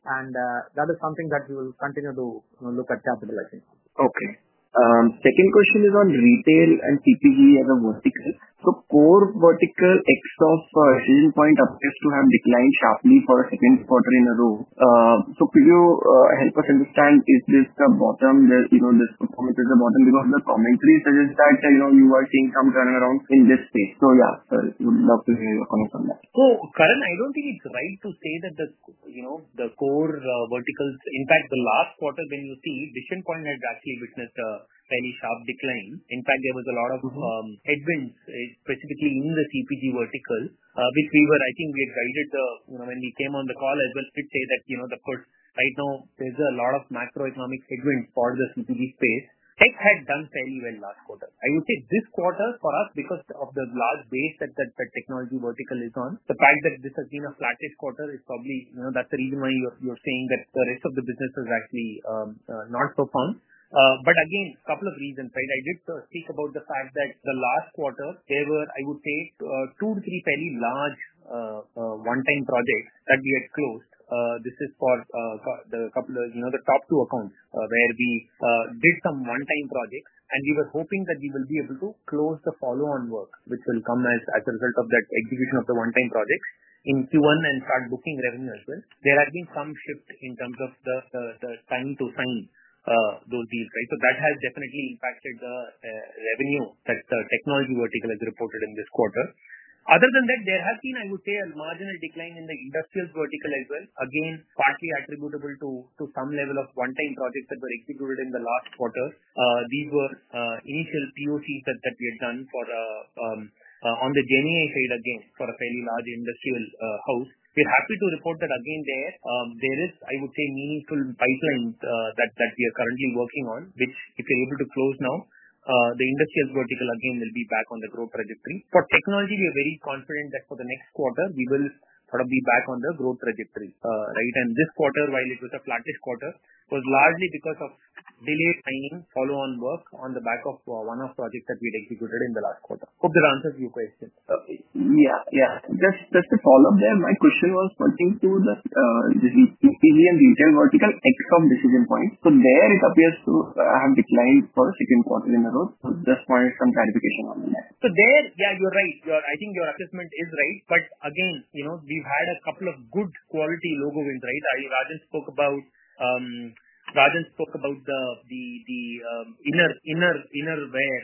That is something that we will continue to look at capitalizing. Okay. Second question is on retail and CPG as a vertical. Core vertical access for a certain point appears to have declined sharply for the spring quarter in a row. Could you help us understand if this performance is the bottom because the commentary suggests that you are seeing some turnaround in this space? I would love to hear your comments on that. Karan, I don't think it's right to say that the core verticals impact the last quarter when you see Decision Point has actually witnessed a fairly sharp decline. In fact, there were a lot of headwinds specifically in the CPG vertical, which we had guided when we came on the call as well to say that, you know, of course, right now there's a lot of macroeconomic headwinds for the CPG space. Tech had done fairly well last quarter. I would say this quarter for us, because of the large base that that technology vertical is on, the fact that this has been a flattish quarter is probably, you know, that's the reason why you're saying that the rest of the business has actually not performed. Again, a couple of reasons, right? I did speak about the fact that the last quarter, there were, I would say, two to three fairly large one-time projects that we had closed. This is for the couple of, you know, the top two accounts where we did some one-time projects, and we were hoping that we will be able to close the follow-on work, which will come as a result of that execution of the one-time projects. In Q1, in fact, booking revenue as well. There has been some shift in terms of the time to sign those deals, right? That has definitely impacted the revenue that the technology vertical has reported in this quarter. Other than that, there has been, I would say, a marginal decline in the industrial vertical as well, partly attributable to some level of one-time projects that were executed in the last quarter. These were initial POCs that we had done on the GenAI side, again, for a fairly large industrial house. We're happy to report that, again, there is, I would say, meaningful pipelines that we are currently working on, which if we're able to close now, the industrial vertical, again, will be back on the growth trajectory. For technology, we are very confident that for the next quarter, we will sort of be back on the growth trajectory, right? This quarter, while it was a flattish quarter, was largely because of delayed timing follow-on work on the back of one-off projects that we had executed in the last quarter. Hope that answers your question. Yeah, yeah. Just to follow up there, my question was pertaining to the CPG and retail vertical except Decision Point. It appears to have declined for the second quarter in a row. Just for some clarification on that. You're right. I think your assessment is right. We've had a couple of good quality logo wins, right? I mean, Rajan spoke about the innerwear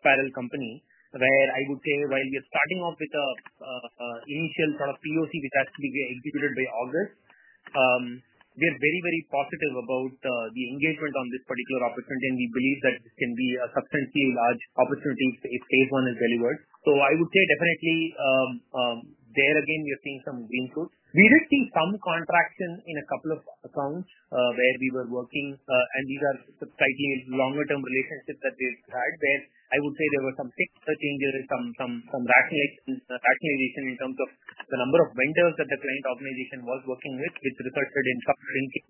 apparel company where I would say, while we are starting off with an initial sort of POC which has to be executed by August, they're very, very positive about the engagement on this particular opportunity. We believe that this can be a substantively large opportunity in phase 1 as delivered. I would say definitely, there again, we are seeing some green fruits. We did see some contracts in a couple of accounts where we were working, and these are substantially longer-term relationships that we've had where I would say there were some picture changes, some rationalization in terms of the number of vendors that the client organization was working with, which resulted in cut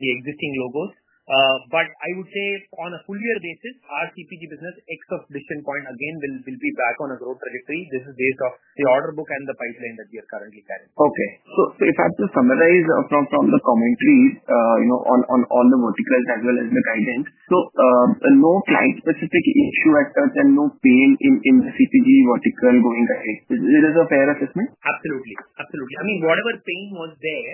the existing logos. I would say on a full-year basis, our CPG business except Decision Point, again, will be back on a growth trajectory. This is based off the order book and the pipeline that we are currently carrying. Okay. If I have to summarize from the commentaries on all the verticals as well as the guidance, there is no flag-specific issue at first and no pain in the CPG vertical going ahead. Is it a fair assessment? Absolutely. Absolutely. Whatever pain was there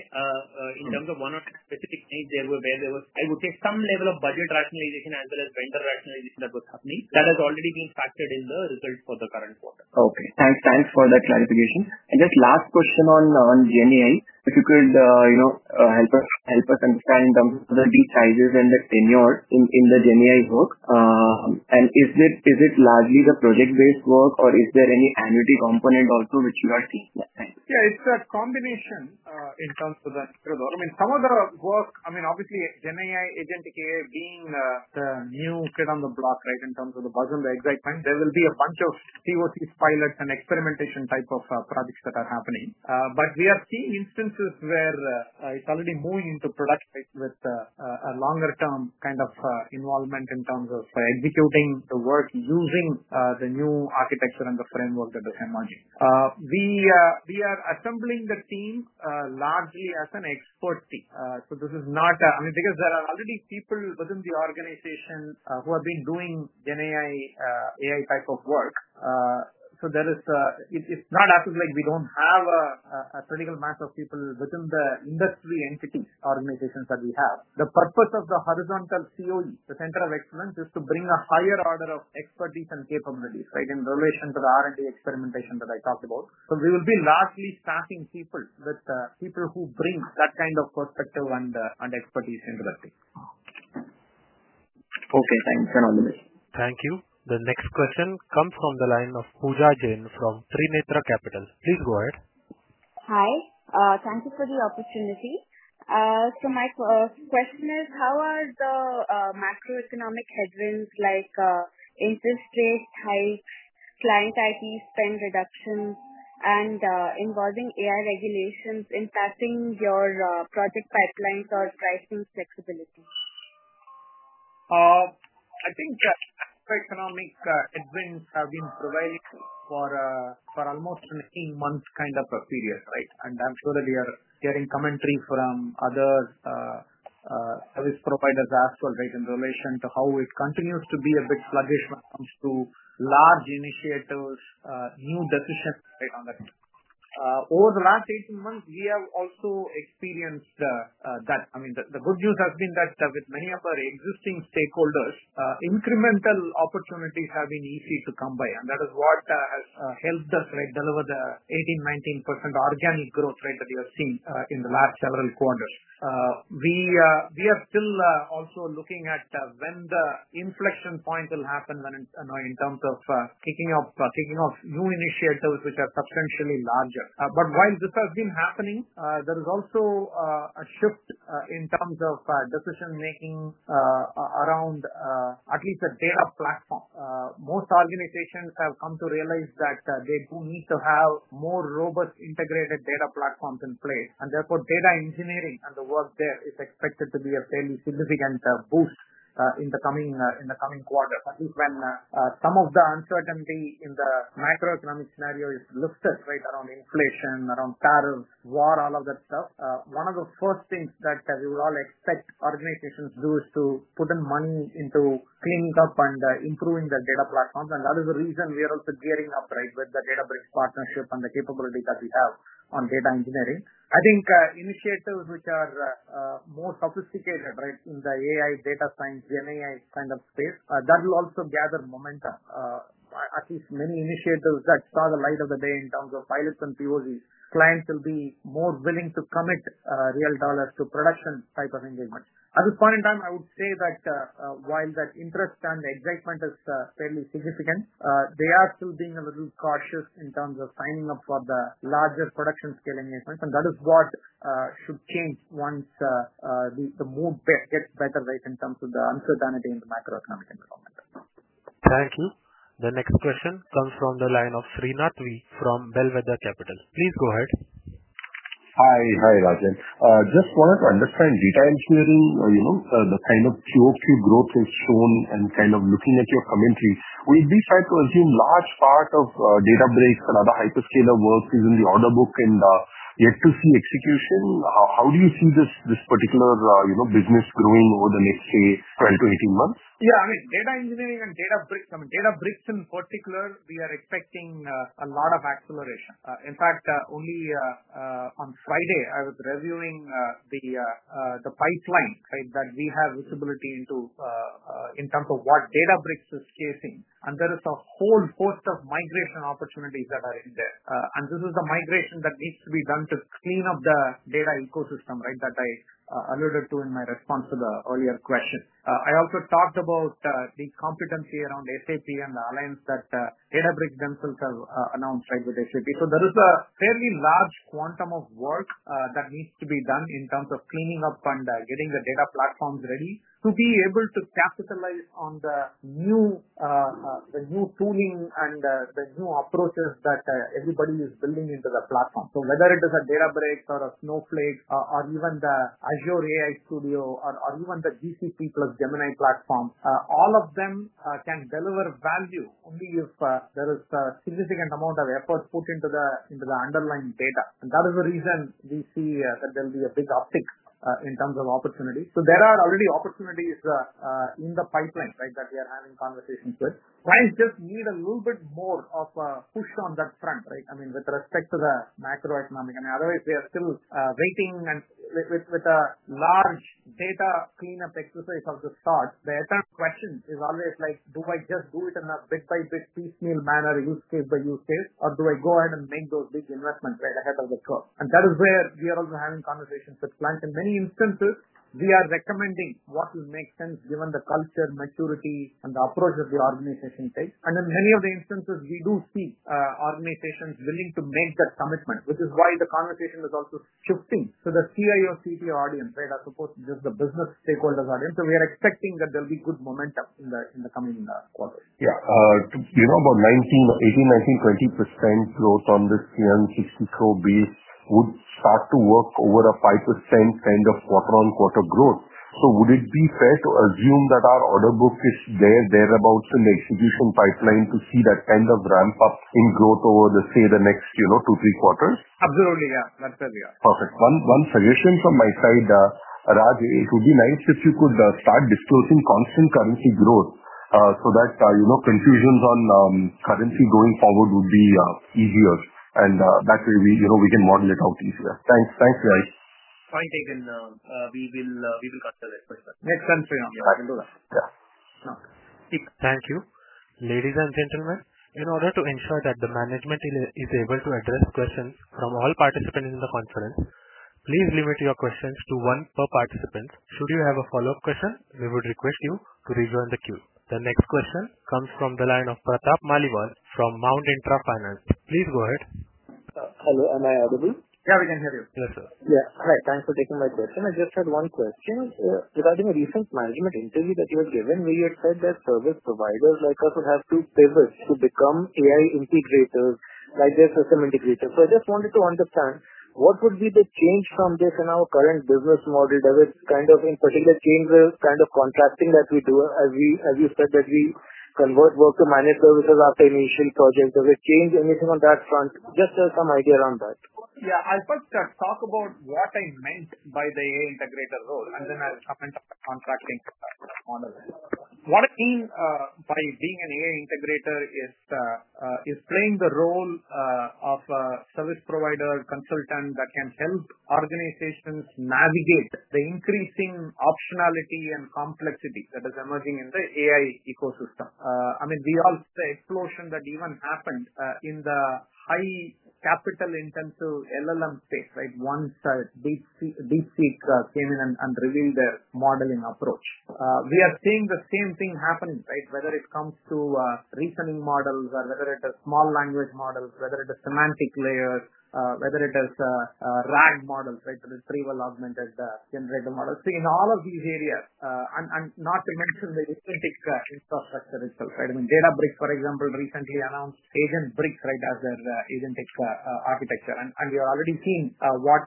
in terms of one or two specific things where there was, I would say, some level of budget rationalization as well as vendor rationalization that was happening, that has already been factored in the results for the current quarter. Thanks for that clarification. Just last question on GenAI, if you could help us understand in terms of the lead sizes and the tenure in the GenAI work. Is it largely the project-based work, or is there any annuity component also which we are seeing? Yeah, it's a combination in terms of that. I mean, some of the work, I mean, obviously, GenAI, Agentic AI being the new foot on the block, right, in terms of the buzz and the excitement, there will be a bunch of POCs, pilots, and experimentation type of projects that are happening. We have seen instances where it's already moving into product with a longer-term kind of involvement in terms of executing the work using the new architecture and the framework at the same margin. We are assembling the team largely as an expert team. This is not, I mean, because there are already people within the organization who have been doing GenAI, AI type of work. There is, it's not as if we don't have a critical mass of people within the industry entities, organizations that we have. The purpose of the horizontal COE, the Center of Excellence, is to bring a higher order of expertise and capabilities, right, in relation to the R&D experimentation that I talked about. We will be largely staffing people with the people who bring that kind of perspective and expertise into the things. Okay, thanks, Rajan. Thank you. The next question comes from the line of Pooja Jain from Trinetra Capital. Please go ahead. Hi. Thank you for the opportunity. My question is, how are the macroeconomic headwinds like interest rate hikes, client IT spend reductions, and evolving AI regulations impacting your project pipelines or pricing flexibility? I think the macroeconomic headwinds have been prevalent for almost an 18-month kind of a period, right? I'm sure that we are hearing commentary from other service providers as well, right, in relation to how it continues to be a bit sluggish when it comes to large initiatives, new decisions on that. Over the last 18 months, we have also experienced that. The good news has been that with many of our existing stakeholders, incremental opportunities have been easy to come by. That is what has helped us, right, deliver the 18%-19% organic growth, right, that we have seen in the last several quarters. We are still also looking at when the inflection point will happen in terms of kicking off new initiatives which are substantially larger. While this has been happening, there is also a shift in terms of decision-making around at least the data platform. Most organizations have come to realize that they do need to have more robust integrated data platforms in place. Therefore, data engineering and the work there is expected to be a fairly significant boost in the coming quarter, at least when some of the uncertainty in the macroeconomic scenario is liftoff, right, around inflation, around tariffs, war, all of that stuff. One of the first things that we would all expect organizations to do is to put in money into cleaning up and improving the data platforms. That is the reason we are also gearing up, right, with the Databricks partnership and the capability that we have on data engineering. I think initiatives which are more sophisticated, right, in the AI data science, GenAI kind of space, that will also gather momentum. At least many initiatives that saw the light of the day in terms of pilots and POCs plan to be more willing to commit real dollars to production type of engagement. At this point in time, I would say that while that interest and excitement is fairly significant, they are still being a little cautious in terms of signing up for the larger production scale engagements. That is what should change once the mood gets better, right, in terms of the uncertainty in the macroeconomics. Thank you. The next question comes from the line of Srini Nathan from Belvedere Capital. Please go ahead. Hi, Rajan. Just wanted to understand data engineering, you know, the kind of POC growth you've shown and kind of looking at your commentaries. We decide to assume a large part of Databricks and other hyperscaler work is in the order book in the FTC execution. How do you see this particular business growing over the next, say, 12 months-18 months? Yeah. I mean, data engineering and Databricks, I mean, Databricks in particular, we are expecting a lot of acceleration. In fact, only on Friday, I was reviewing the pipeline that we have visibility into in terms of what Databricks is chasing. There is a whole host of migration opportunities that are in there. This is the migration that needs to be done to clean up the data ecosystem that I alluded to in my response to the earlier question. I also talked about these competencies around SAP and the alliance that Databricks themselves have announced with SAP. There is a fairly large quantum of work that needs to be done in terms of cleaning up and getting the data platforms ready to be able to capitalize on the new tooling and the new approaches that everybody is building into the platform. Whether it is a Databricks or a Snowflake or even the Azure AI Studio or even the GCP plus Gemini platform, all of them can deliver value only if there is a significant amount of efforts put into the underlying data. That is the reason we see that there will be a big uptick in terms of opportunities. There are already opportunities in the pipeline that we are having conversations with. Clients just need a little bit more of a push on that front. I mean, with respect to the macroeconomic. Otherwise, they are still waiting and with a large data cleanup exercise of the sort. The eternal question is always like, do I just do it in a big by big piecemeal manner, use case by use case, or do I go ahead and make those big investments right ahead of the curve? That is where we are also having conversations with clients. In many instances, we are recommending what will make sense given the culture, maturity, and the approach that the organization takes. In many of the instances, we do see organizations willing to make that commitment, which is why the conversation is also shifting to the CIO/CTO audience as opposed to just the business stakeholders audience. We are expecting that there will be good momentum in the coming quarters. Yeah, you know, about 19%-20% growth on this 360 crore base would start to work over a 5% kind of quarter-on-quarter growth. Would it be fair to assume that our order book is thereabouts in the execution pipeline to see that kind of ramp-up in growth over the, say, the next, you know, two, three quarters? Absolutely, yeah. That's fair, yeah. Perfect. One suggestion from my side, Raj, it would be nice if you could start disclosing constant currency growth so that, you know, confusions on currency going forward would be easier. That way, we can model it out easier. Thanks, guys. Fine, taken. We will consider it next time, Priyam. Yeah, I can do that. Yeah. Thank you. Ladies and gentlemen, in order to ensure that the management is able to address questions from all participants in the conference, please limit your questions to one per participant. Should you have a follow-up question, we would request you to rejoin the queue. The next question comes from the line of Pratap Maliwal from Mount Intra Finance. Please go ahead. Hello. Am I audible? Yeah, we can hear you. Yes, sir. Yeah. Hi. Thanks for taking my question. I just had one question. Regarding a recent management interview that you had given, we had said that service providers like us would have to pivot to become AI integrators, like JSM integrators. I just wanted to understand what would be the change from JSM to our current business model. There were, in particular, changes, kind of contracting that we do as you said that we convert work to managed services after initial projects. Does it change anything on that front? Just to have some idea around that. Yeah. I first just talk about what I meant by the AI integrator role, and then I'll comment on the contracting part of it. What I mean by being an AI integrator is playing the role of a service provider consultant that can help organizations navigate the increasing optionality and complexity that is emerging in the AI ecosystem. I mean, the explosion that even happened in the high capital-intensive LLM space, right, once DeepSeek came in and revealed their modeling approach. We are seeing the same thing happen, whether it comes to reasoning models or whether it is small language models, whether it is semantic layers, whether it is RAG models, retrieval augmented generation models. In all of these areas, and not to mention the agentic infrastructure itself, Databricks, for example, recently announced HuginBricks as their agentic architecture. We are already seeing what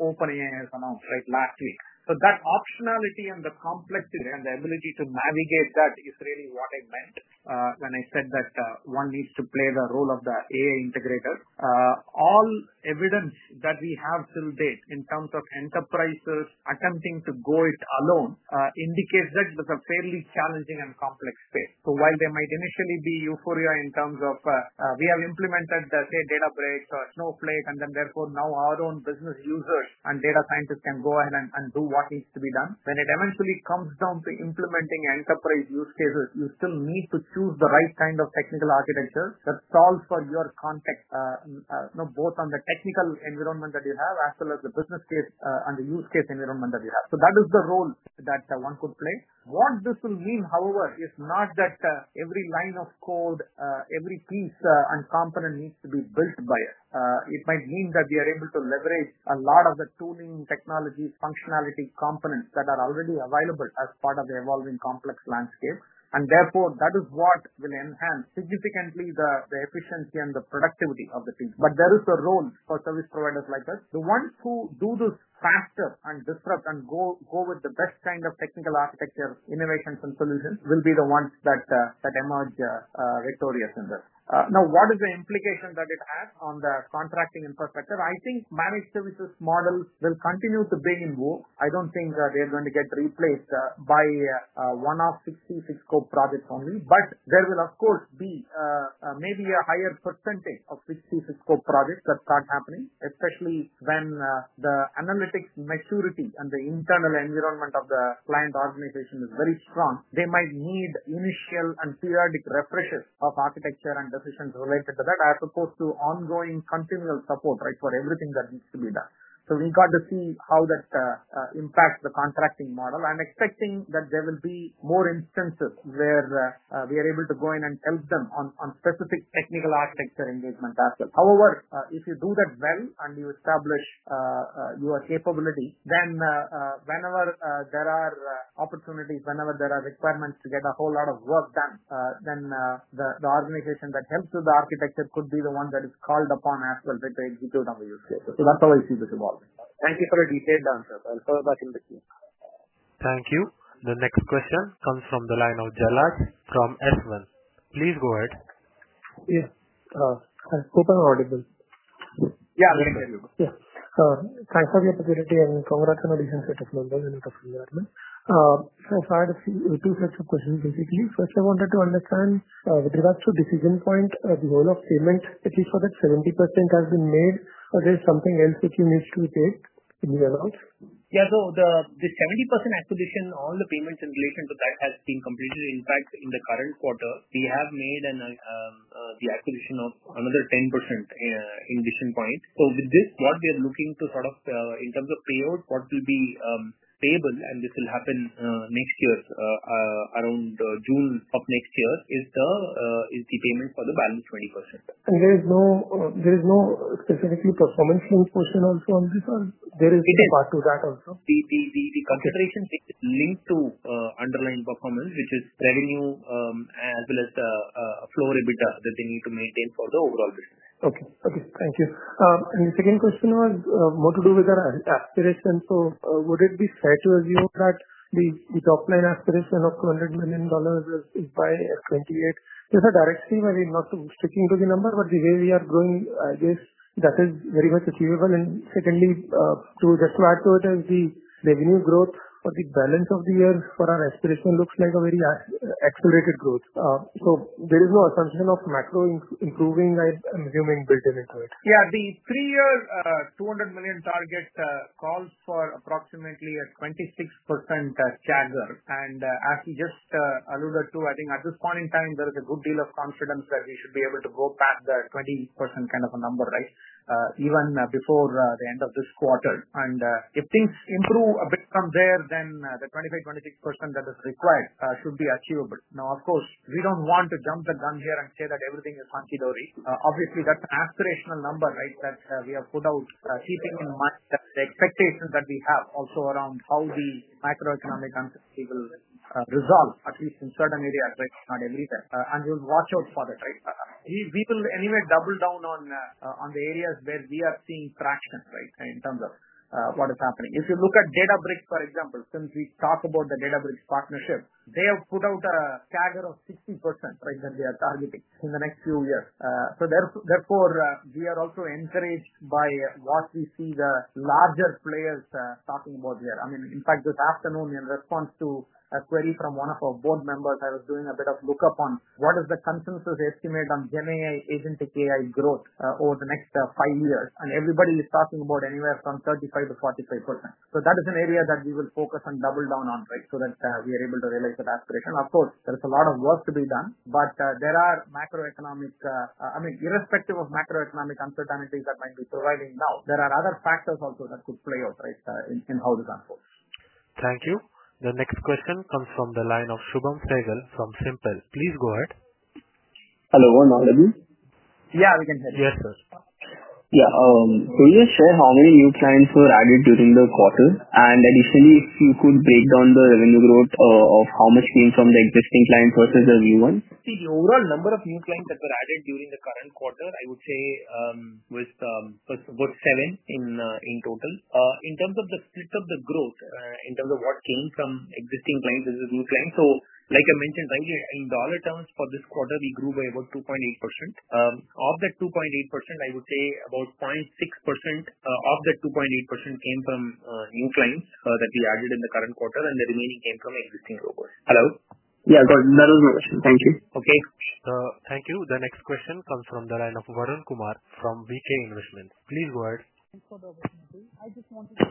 OpenAI has announced last week. That optionality and the complexity and the ability to navigate that is really what I meant when I said that one needs to play the role of the AI integrator. All evidence that we have till date in terms of enterprises attempting to go it alone indicates that it's a fairly challenging and complex space. While there might initially be euphoria in terms of we have implemented the, say, Databricks or Snowflake, and therefore now our own business users and data scientists can go ahead and do what needs to be done, when it eventually comes down to implementing enterprise use cases, you still need to choose the right kind of technical architecture that solves for your context, both on the technical environment that you have as well as the business case and the use case environment that you have. That is the role that one could play. What this will mean, however, is not that every line of code, every piece and component needs to be built by it. It might mean that we are able to leverage a lot of the tooling, technology, functionality components that are already available as part of the evolving complex landscape. Therefore, that is what will enhance significantly the efficiency and the productivity of the team. There is a role for service providers like us. The ones who do this faster and disrupt and go with the best kind of technical architecture, innovations, and solutions will be the ones that emerge victorious in this. Now, what is the implication that it has on the contracting infrastructure? I think managed services model will continue to be in vogue. I don't think that they're going to get replaced by one-off fixed fee, fixed scope projects only. There will, of course, be maybe a higher % of fixed fee, fixed scope projects that start happening, especially when the analytics maturity and the internal environment of the client organization is very strong. They might need initial and periodic refreshes of architecture and decisions related to that, as opposed to ongoing continual support for everything that needs to be done. We've got to see how that impacts the contracting model. I'm expecting that there will be more instances where we are able to go in and help them on specific technical architecture engagement aspects. However, if you do that well and you establish your capability, then whenever there are opportunities, whenever there are requirements to get a whole lot of work done, the organization that helps with the architecture could be the one that is called upon as well to execute on the use cases. That's how I see this evolving. Thank you for your detailed answer. I'll follow that in the queue. Thank you. The next question comes from the line of Jalad from Eswell. Please go ahead. Yes, I hope I'm audible. Yeah, I'm very good. Yeah. Thanks for the opportunity. I'm a coworker and a decent social member. I'm in the first year at LinkedIn. I have had two sets of questions, basically. First, I wanted to understand with regards to Decision Point, the role of payments, at least for that 70% that has been made. Is there something else that you need to take in the amounts? Yeah. The 70% acquisition, all the payments in relation to that have been completed. In fact, in the current quarter, we have made the acquisition of another 10% in Decision Point. With this, what we are looking to sort of in terms of payout, what will be payable, and this will happen next year, around June of next year, is the payment for the balance 20%. Is there no specific performance reinforcement also on this? Is there a part to that also? The consideration is linked to underlying performance, which is revenue as well as the floor EBITDA that they need to maintain for the overall business. Okay. Thank you. The second question was more to do with our aspirations. Would it be fair to assume that the top-line aspiration of $200 million is by 2028? Just a direct statement. I'm not sticking to the number, but the way we are growing, I guess that is very much achievable. Certainly, to just add to it, as the revenue growth or the balance of the year for our aspiration looks like a very accelerated growth. There is no assumption of macro improving, I'm assuming, built into it. Yeah. The three-year $200 million target calls for approximately a 26% CAGR. As you just alluded to, I think at this point in time, there is a good deal of confidence that we should be able to go past that 20% kind of a number, right, even before the end of this quarter. If things improve a bit from there, then the 25%, 26% that is required should be achievable. Of course, we don't want to jump the gun here and say that everything is hunky-dory. Obviously, that aspirational number, right, that we have put out, keeping in mind the expectations that we have also around how the macroeconomic uncertainty will resolve, at least in certain areas, right, not a little bit. We'll watch out for that, right? We will anyway double down on the areas where we are seeing traction, right, in terms of what is happening. If you look at Databricks, for example, since we talk about the Databricks partnership, they have put out a CAGR of 60%, right, that they are targeting in the next few years. Therefore, we are also encouraged by what we see the larger players talking about here. In fact, this afternoon, in response to a query from one of our board members, I was doing a bit of lookup on what is the consensus estimate on GenAI Agentic AI's growth over the next five years. Everybody is talking about anywhere from 35% to 45%. That is an area that we will focus and double down on, right, so that we are able to realize that aspiration. Of course, there's a lot of work to be done, but there are macroeconomic, I mean, irrespective of macroeconomic uncertainties that might be providing now, there are other factors also that could play out, right, in how this unfolds. Thank you. The next question comes from the line of Shubham Sultania from SIMplus+. Please go ahead. Hello. Am I audible? Yeah, we can hear you. Yes, sir. Yeah. Can you share how many new clients were added during the quarter? Additionally, if you could break down the revenue growth of how much came from the existing client versus the new one? See, the overall number of new clients that were added during the current quarter, I would say, is about seven in total. In terms of the split of the growth, in terms of what came from existing clients versus new clients, like I mentioned, right, in dollar terms for this quarter, we grew by about 2.8%. Of that 2.8%, I would say about 0.6% came from new clients that we added in the current quarter, and the remaining came from existing clients. Hello? Yeah, no, no, no. Thank you. Okay, thank you. The next question comes from the line of Varun Kumar from VK Investments. Please go ahead. you for the opportunity. I just wanted to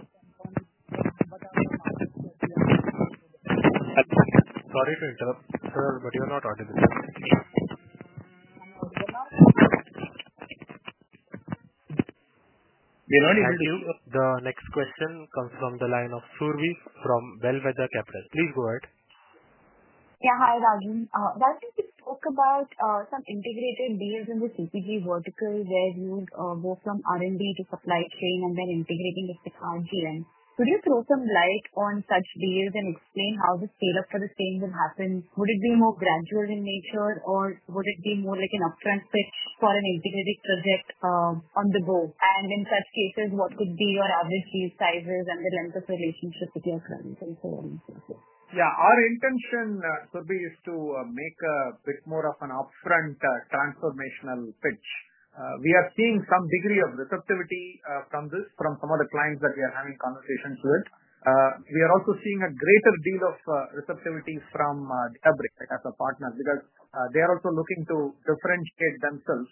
We're not able to hear you. The next question comes from the line of Survi from Belvedere Capital. Please go ahead. Yeah. Hi, Rajan. I wanted to talk about some integrated deals in the CPG vertical where you go from R&D to supply chain and then integrating the technology. Could you throw some light on such deals and explain how the stay-up for the same would happen? Would it be more gradual in nature, or would it be more like an upfront pitch for an integrated project on the go? In such cases, what could be your R&D sizes and the length of relationship with your clients? Yeah. Our intention, Survi, is to make a bit more of an upfront transformational pitch. We are seeing some degree of receptivity from this, from some of the clients that we are having conversations with. We are also seeing a greater deal of receptivity from Databricks as a partner because they are also looking to differentiate themselves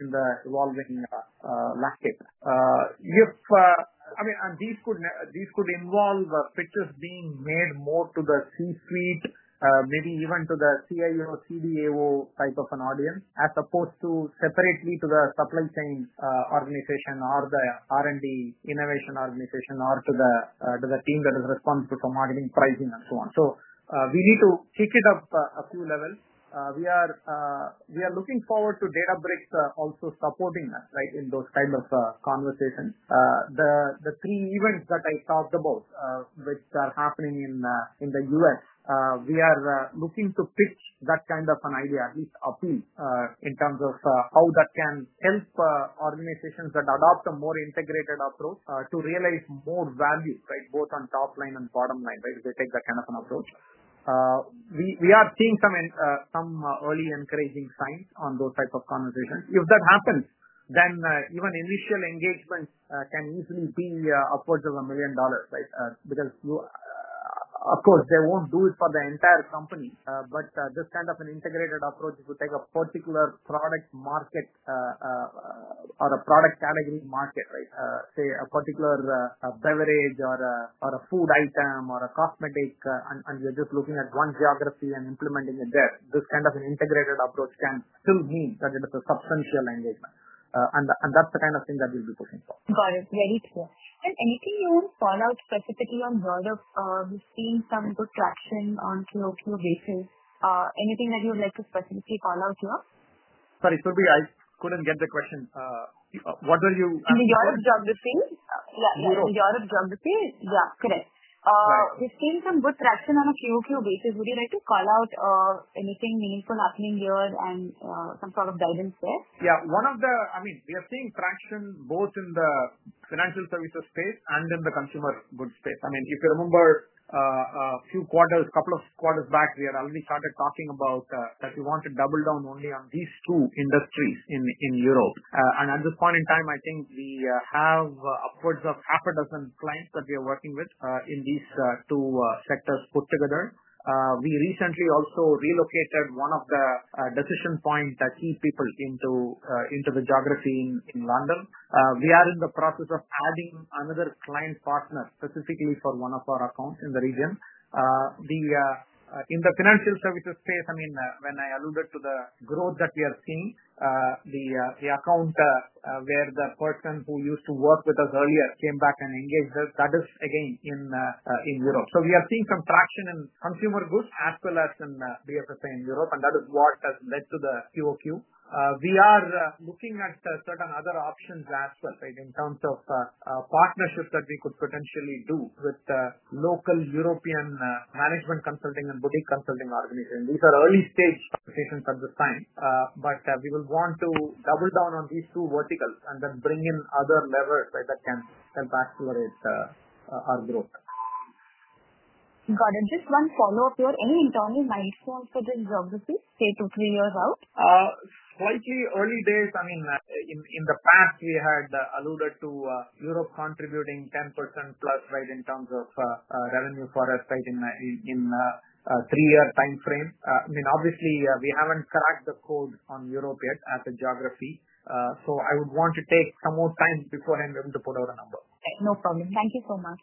in the evolving market. I mean, these could involve pitches being made more to the C-suite, maybe even to the CIO/CDAO type of an audience, as opposed to separately to the supply chain organization or the R&D innovation organization or to the team that is responsible for marketing, pricing, and so on. We need to keep it up a few levels. We are looking forward to Databricks also supporting us in those kinds of conversations. The three events that I talked about, which are happening in the U.S., we are looking to pitch that kind of an idea, at least a piece, in terms of how that can help organizations that adopt a more integrated approach to realize more value, both on top line and bottom line, if they take that kind of an approach. We are seeing some early encouraging signs on those types of conversations. happens, then even initial engagement can easily be upwards of $1 million, right? Of course, they won't do it for the entire company, but this kind of an integrated approach to take a particular product market or a product category market, right? Say a particular beverage or a food item or a cosmetic, and you're just looking at one geography and implementing it there. This kind of an integrated approach can still mean that it is a substantial engagement. That's the kind of thing that we'll be pushing for. Got it. Very true. Is there anything you want to spell out specifically on Rajan's? We've seen some good traction on SEO, SEO basis. Anything that you would like to specifically call out here? Sorry, Toby, I couldn't get the question. What are you? In the Europe geography. Europe. Europe geography, yeah, correct. We've seen some good traction on a few SEO basis. Would you like to call out anything meaningful happening here and some sort of guidance there? Yeah. One of the, I mean, we are seeing traction both in the financial services space and in the consumer goods space. If you remember a few quarters, a couple of quarters back, we had already started talking about that we want to double down only on these two industries in Europe. At this point in time, I think we have upwards of half a dozen clients that we are working with in these two sectors put together. We recently also relocated one of the Decision Point key people into the geography in London. We are in the process of adding another client partner specifically for one of our accounts in the region. In the financial services space, when I alluded to the growth that we are seeing, the account where the person who used to work with us earlier came back and engaged with, that is again in Europe. We are seeing some traction in consumer goods as well as in BFSI in Europe, and that is what has led to the EOQ. We are looking at certain other options as well, right, in terms of partnerships that we could potentially do with the local European management consulting and boutique consulting organizations. These are early stage decisions at this time, but we will want to double down on these two verticals and then bring in other levers that can help accelerate our growth. Got it. Just one follow-up here. Any internal milestones for this geography, say, two to three years out? Slightly early days. In the past, we had alluded to Europe contributing 10%+ in terms of revenue for us in a three-year time frame. Obviously, we haven't cracked the code on Europe yet as a geography. I would want to take some more time beforehand to put out a number. No problem. Thank you so much.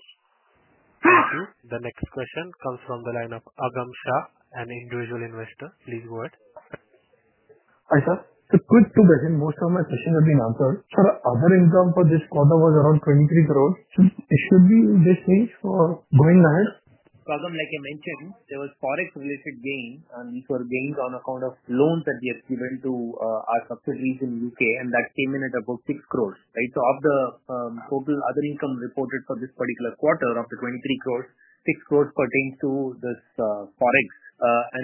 Thank you. The next question comes from the line of Abram Shah, an individual investor. Please go ahead. Hi, sir. It's a good question. Most of my questions have been answered. For the other income for this quarter, it was around 23 crore. It should be in this range going ahead. Rajan, like I mentioned, there was product-related gains, and these were gains on account of loans that we have given to our subsidiaries in the U.K., and that came in at about 6 crore, right? Of the total other income reported for this particular quarter, of the 23 crore, 6 crore pertain to this product.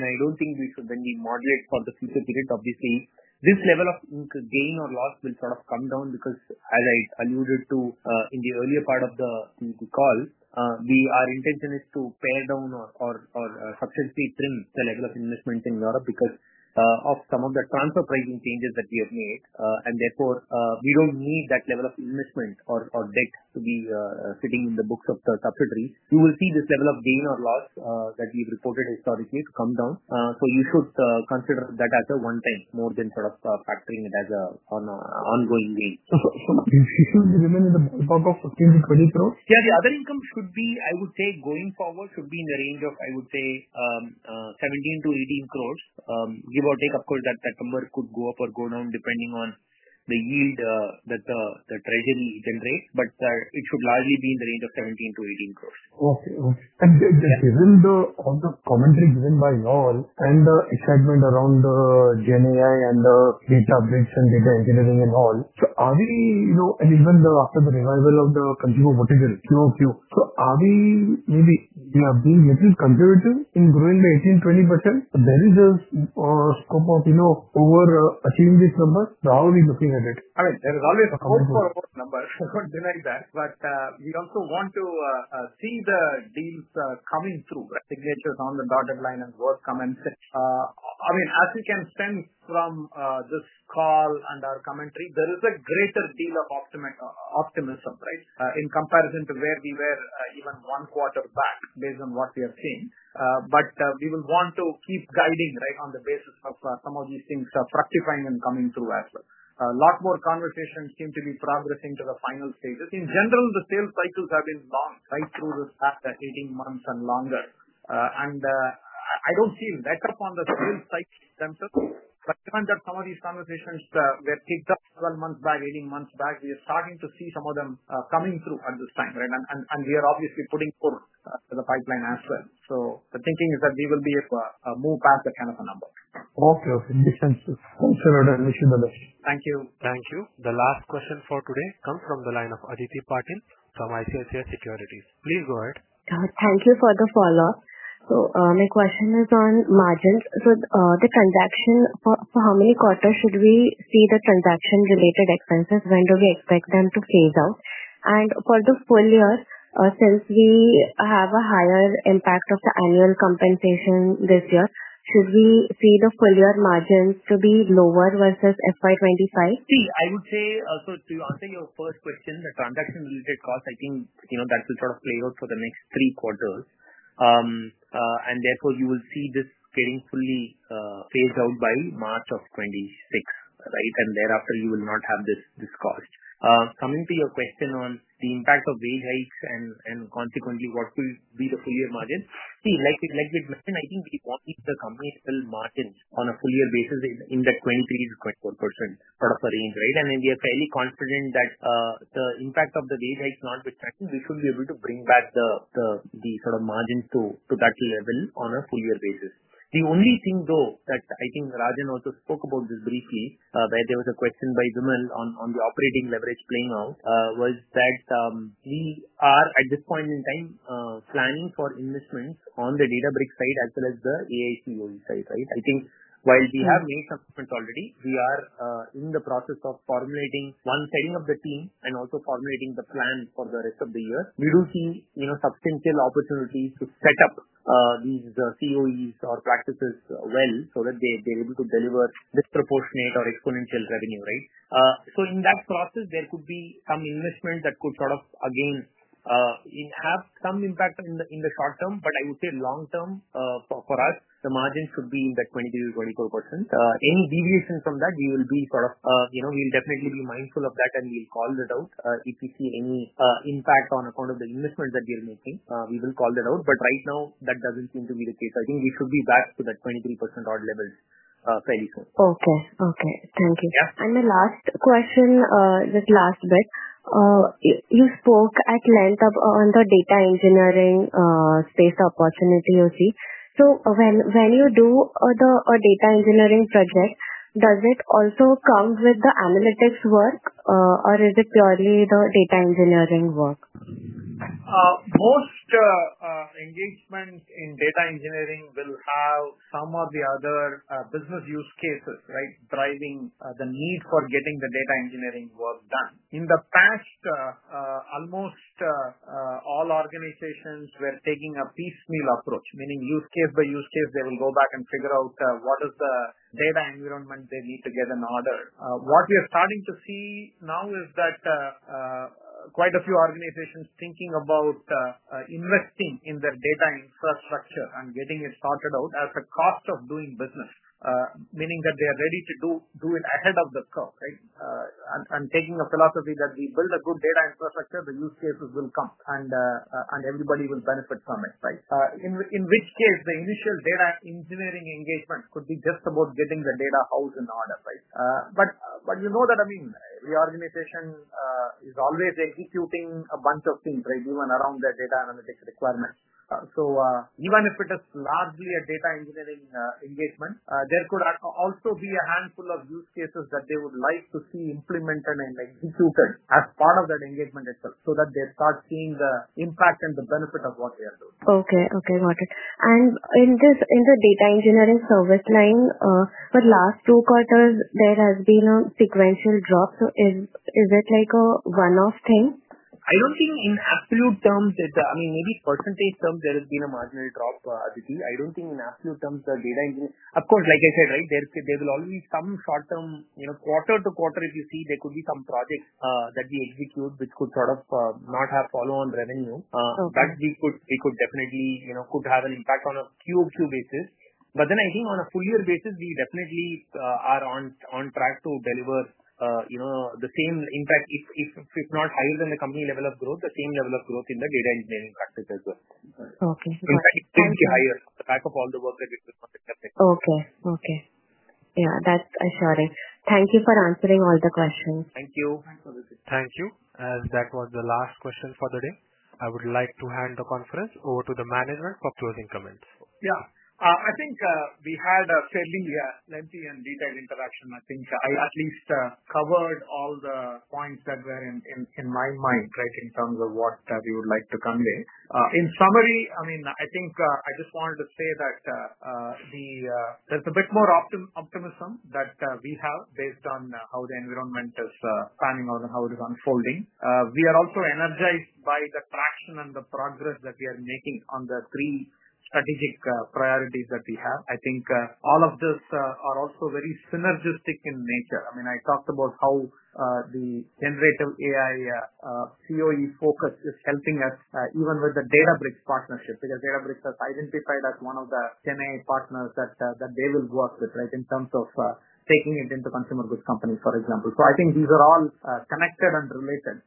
I don't think we should then be moderate for the future period. Obviously, this level of gain or loss will sort of come down because, as I alluded to in the earlier part of the call, our intention is to pare down or substantially trim the level of investment in Europe because of some of the transfer pricing changes that we have made. Therefore, we don't need that level of investment or debt to be sitting in the books of the subsidiary. You will see this level of gain or loss that we've reported historically has come down. You should consider that a one-time, more than sort of factoring it as an ongoing gain. It should remain in the ballpark of INR 15 crore-INR 20 crore? The other income should be, I would say, going forward, should be in the range of 17 crore-18 crore. Give or take, of course, that number could go up or go down depending on the yield that the treasury generates, but it should largely be in the range of 17 crore-18 crore. Okay. Given all the commentary given by you all and the excitement around GenAI and the data updates and data engineering and all, are we, you know, and even after the revival of the consumer verticals, are we maybe being a little conservative in growing the 18%-20%? There is a scope of, you know, overachieving these numbers. How are we looking at it? I mean, there is always a commentary for numbers. I wouldn't deny that. We also want to see the deals coming through, signatures on the dotted line, and work coming through. As we can sense from this call and our commentary, there is a greater deal of optimism, right, in comparison to where we were even one quarter back based on what we are seeing. We will want to keep guiding, right, on the basis of some of these things that are rectifying and coming through as well. A lot more conversations seem to be progressing to the final stages. In general, the sales cycles have been long, right, through the past 18 months and longer. I don't see a letup on the sales cycle themselves. Sometimes some of these conversations were picked up 12 months back, 18 months back. We are starting to see some of them coming through at this time, right? We are obviously putting forth the pipeline as well. The thinking is that we will be able to move past that kind of a number. Okay. That makes sense. Thank you very much. Thank you. Thank you. The last question for today comes from the line of Aditi Patil from ICICI Securities. Please go ahead. Thank you for the follow-up. My question is on margins. The transaction, for how many quarters should we see the transaction-related expenses? When do we expect them to phase out? For the full year, since we have a higher impact of the annual compensation this year, should we see the full-year margins to be lower versus FY 2025? See, I would say, to answer your first question, the transaction-related cost, I think that will sort of play out for the next three quarters. Therefore, you will see this getting fully phased out by March of 2026, right? Thereafter, you will not have this cost. Coming to your question on the impact of wage hikes and consequently what will be the full-year margin, like with Justin, I think we wanted to accommodate the margins on a full-year basis in the 20%-24% sort of a range, right? We are fairly confident that the impact of the wage hikes not retracting, we should be able to bring back the sort of margins to that level on a full-year basis. The only thing, though, that I think Rajan also spoke about briefly, where there was a question by Dhumil on the operating leverage playing out, was that we are at this point in time planning for investments on the Databricks side as well as the AI COE side, right? While we have made some investments already, we are in the process of formulating one, setting up the team and also formulating the plan for the rest of the year. We will see substantial opportunities to set up these COEs or practices well so that they're able to deliver disproportionate or exponential revenue, right? In that process, there could be some investment that could sort of, again, have some impact in the short term. I would say long term, for us, the margins should be in the 23%-24%. Any deviation from that, we will be mindful of that, and we'll call that out. If we see any impact on account of the investment that we are making, we will call that out. Right now, that doesn't seem to be the case. I think we should be back to that 23% odd levels fairly soon. Okay. Thank you. The last question, the last bit, you spoke at length on the data engineering space opportunity you see. When you do the data engineering project, does it also come with the analytics work, or is it purely the data engineering work? Most engagement in data engineering will have some of the other business use cases, right, driving the need for getting the data engineering work done. In the past, almost all organizations were taking a piecemeal approach, meaning use case by use case. They will go back and figure out what is the data environment they need to get in order. What we are starting to see now is that quite a few organizations are thinking about investing in their data infrastructure and getting it sorted out as the cost of doing business, meaning that they are ready to do it ahead of the curve, right? They are taking a philosophy that if we build a good data infrastructure, the use cases will come, and everybody will benefit from it, right? In which case, the initial data engineering engagement could be just about getting the data house in order, right? The organization is always executing a bunch of things, right, even around their data analytics requirements. Even if it is largely a data engineering engagement, there could also be a handful of use cases that they would like to see implemented and executed as part of that engagement itself so that they start seeing the impact and the benefit of what they are doing. Okay. Got it. In the data engineering service line, for the last two quarters, there has been a sequential drop. Is it like a one-off thing? I don't think in absolute terms, I mean, maybe percentage terms, there has been a marginal drop, Aditi. I don't think in absolute terms the data engineering, of course, like I said, right, there will always be some short-term, you know, quarter to quarter, if you see, there could be some projects that we execute, which could sort of not have follow-on revenue. That could definitely have an impact on a Q2 basis. I think on a full-year basis, we definitely are on track to deliver, you know, the same, in fact, if not higher than the company level of growth, the same level of growth in the data engineering practice as well. Okay. In fact, it's going to be higher on the back of all the work that we've done. Okay. Okay. Yeah, that's assuring. Thank you for answering all the questions. Thank you. Thank you. As that was the last question for the day, I would like to hand the conference over to the management for closing comments. Yeah. I think we had a fairly lengthy and detailed interaction. I think I at least covered all the points that were in my mind, right, in terms of what we would like to convey. In summary, I just wanted to say that there's a bit more optimism that we have based on how the environment is panning out and how it is unfolding. We are also energized by the traction and the progress that we are making on the three strategic priorities that we have. I think all of these are also very synergistic in nature. I talked about how the generative AI Center of Excellence focus is helping us even with the Databricks partnership because Databricks has identified us as one of the GenAI partners that they will go up with, right, in terms of taking it into consumer goods companies, for example. I think these are all connected and related.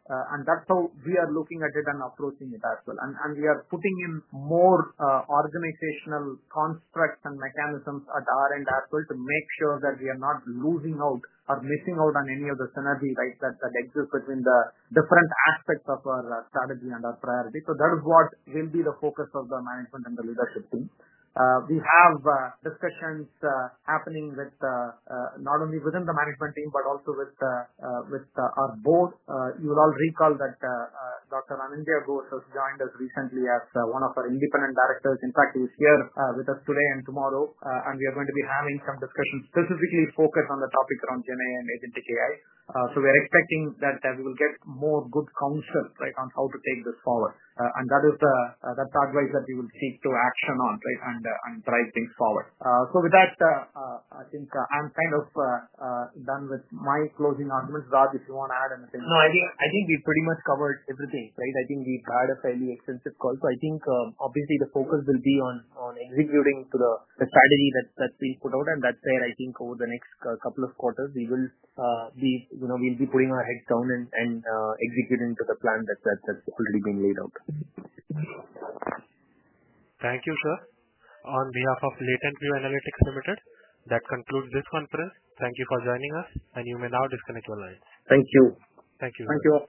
That's how we are looking at it and approaching it as well. We are putting in more organizational constructs and mechanisms at our end as well to make sure that we are not losing out or missing out on any of the synergy that exists between the different aspects of our strategy and our priority. That is what will be the focus of the management and the leadership team. We have discussions happening not only within the management team, but also with our board. You will all recall that Dr. Anindya Ghosh has joined us recently as one of our Independent Directors. In fact, he was here with us today and tomorrow. We are going to be having some discussions specifically focused on the topic around GenAI and Agentic AI. We are expecting that we will get more good counsel on how to take this forward. That is the pathway that we will seek to action on and drive things forward. With that, I think I'm kind of done with my closing arguments. Raj, if you want to add anything. No, I think we've pretty much covered everything, right? I think we've had a fairly extensive call. Obviously, the focus will be on executing to the strategy that we put out. That's where I think over the next couple of quarters, we will be putting our heads down and executing to the plan that's already been laid out. Thank you, sir. On behalf of LatentView Analytics Limited, that concludes this conference. Thank you for joining us, and you may now disconnect your line. Thank you. Thank you. Thank you.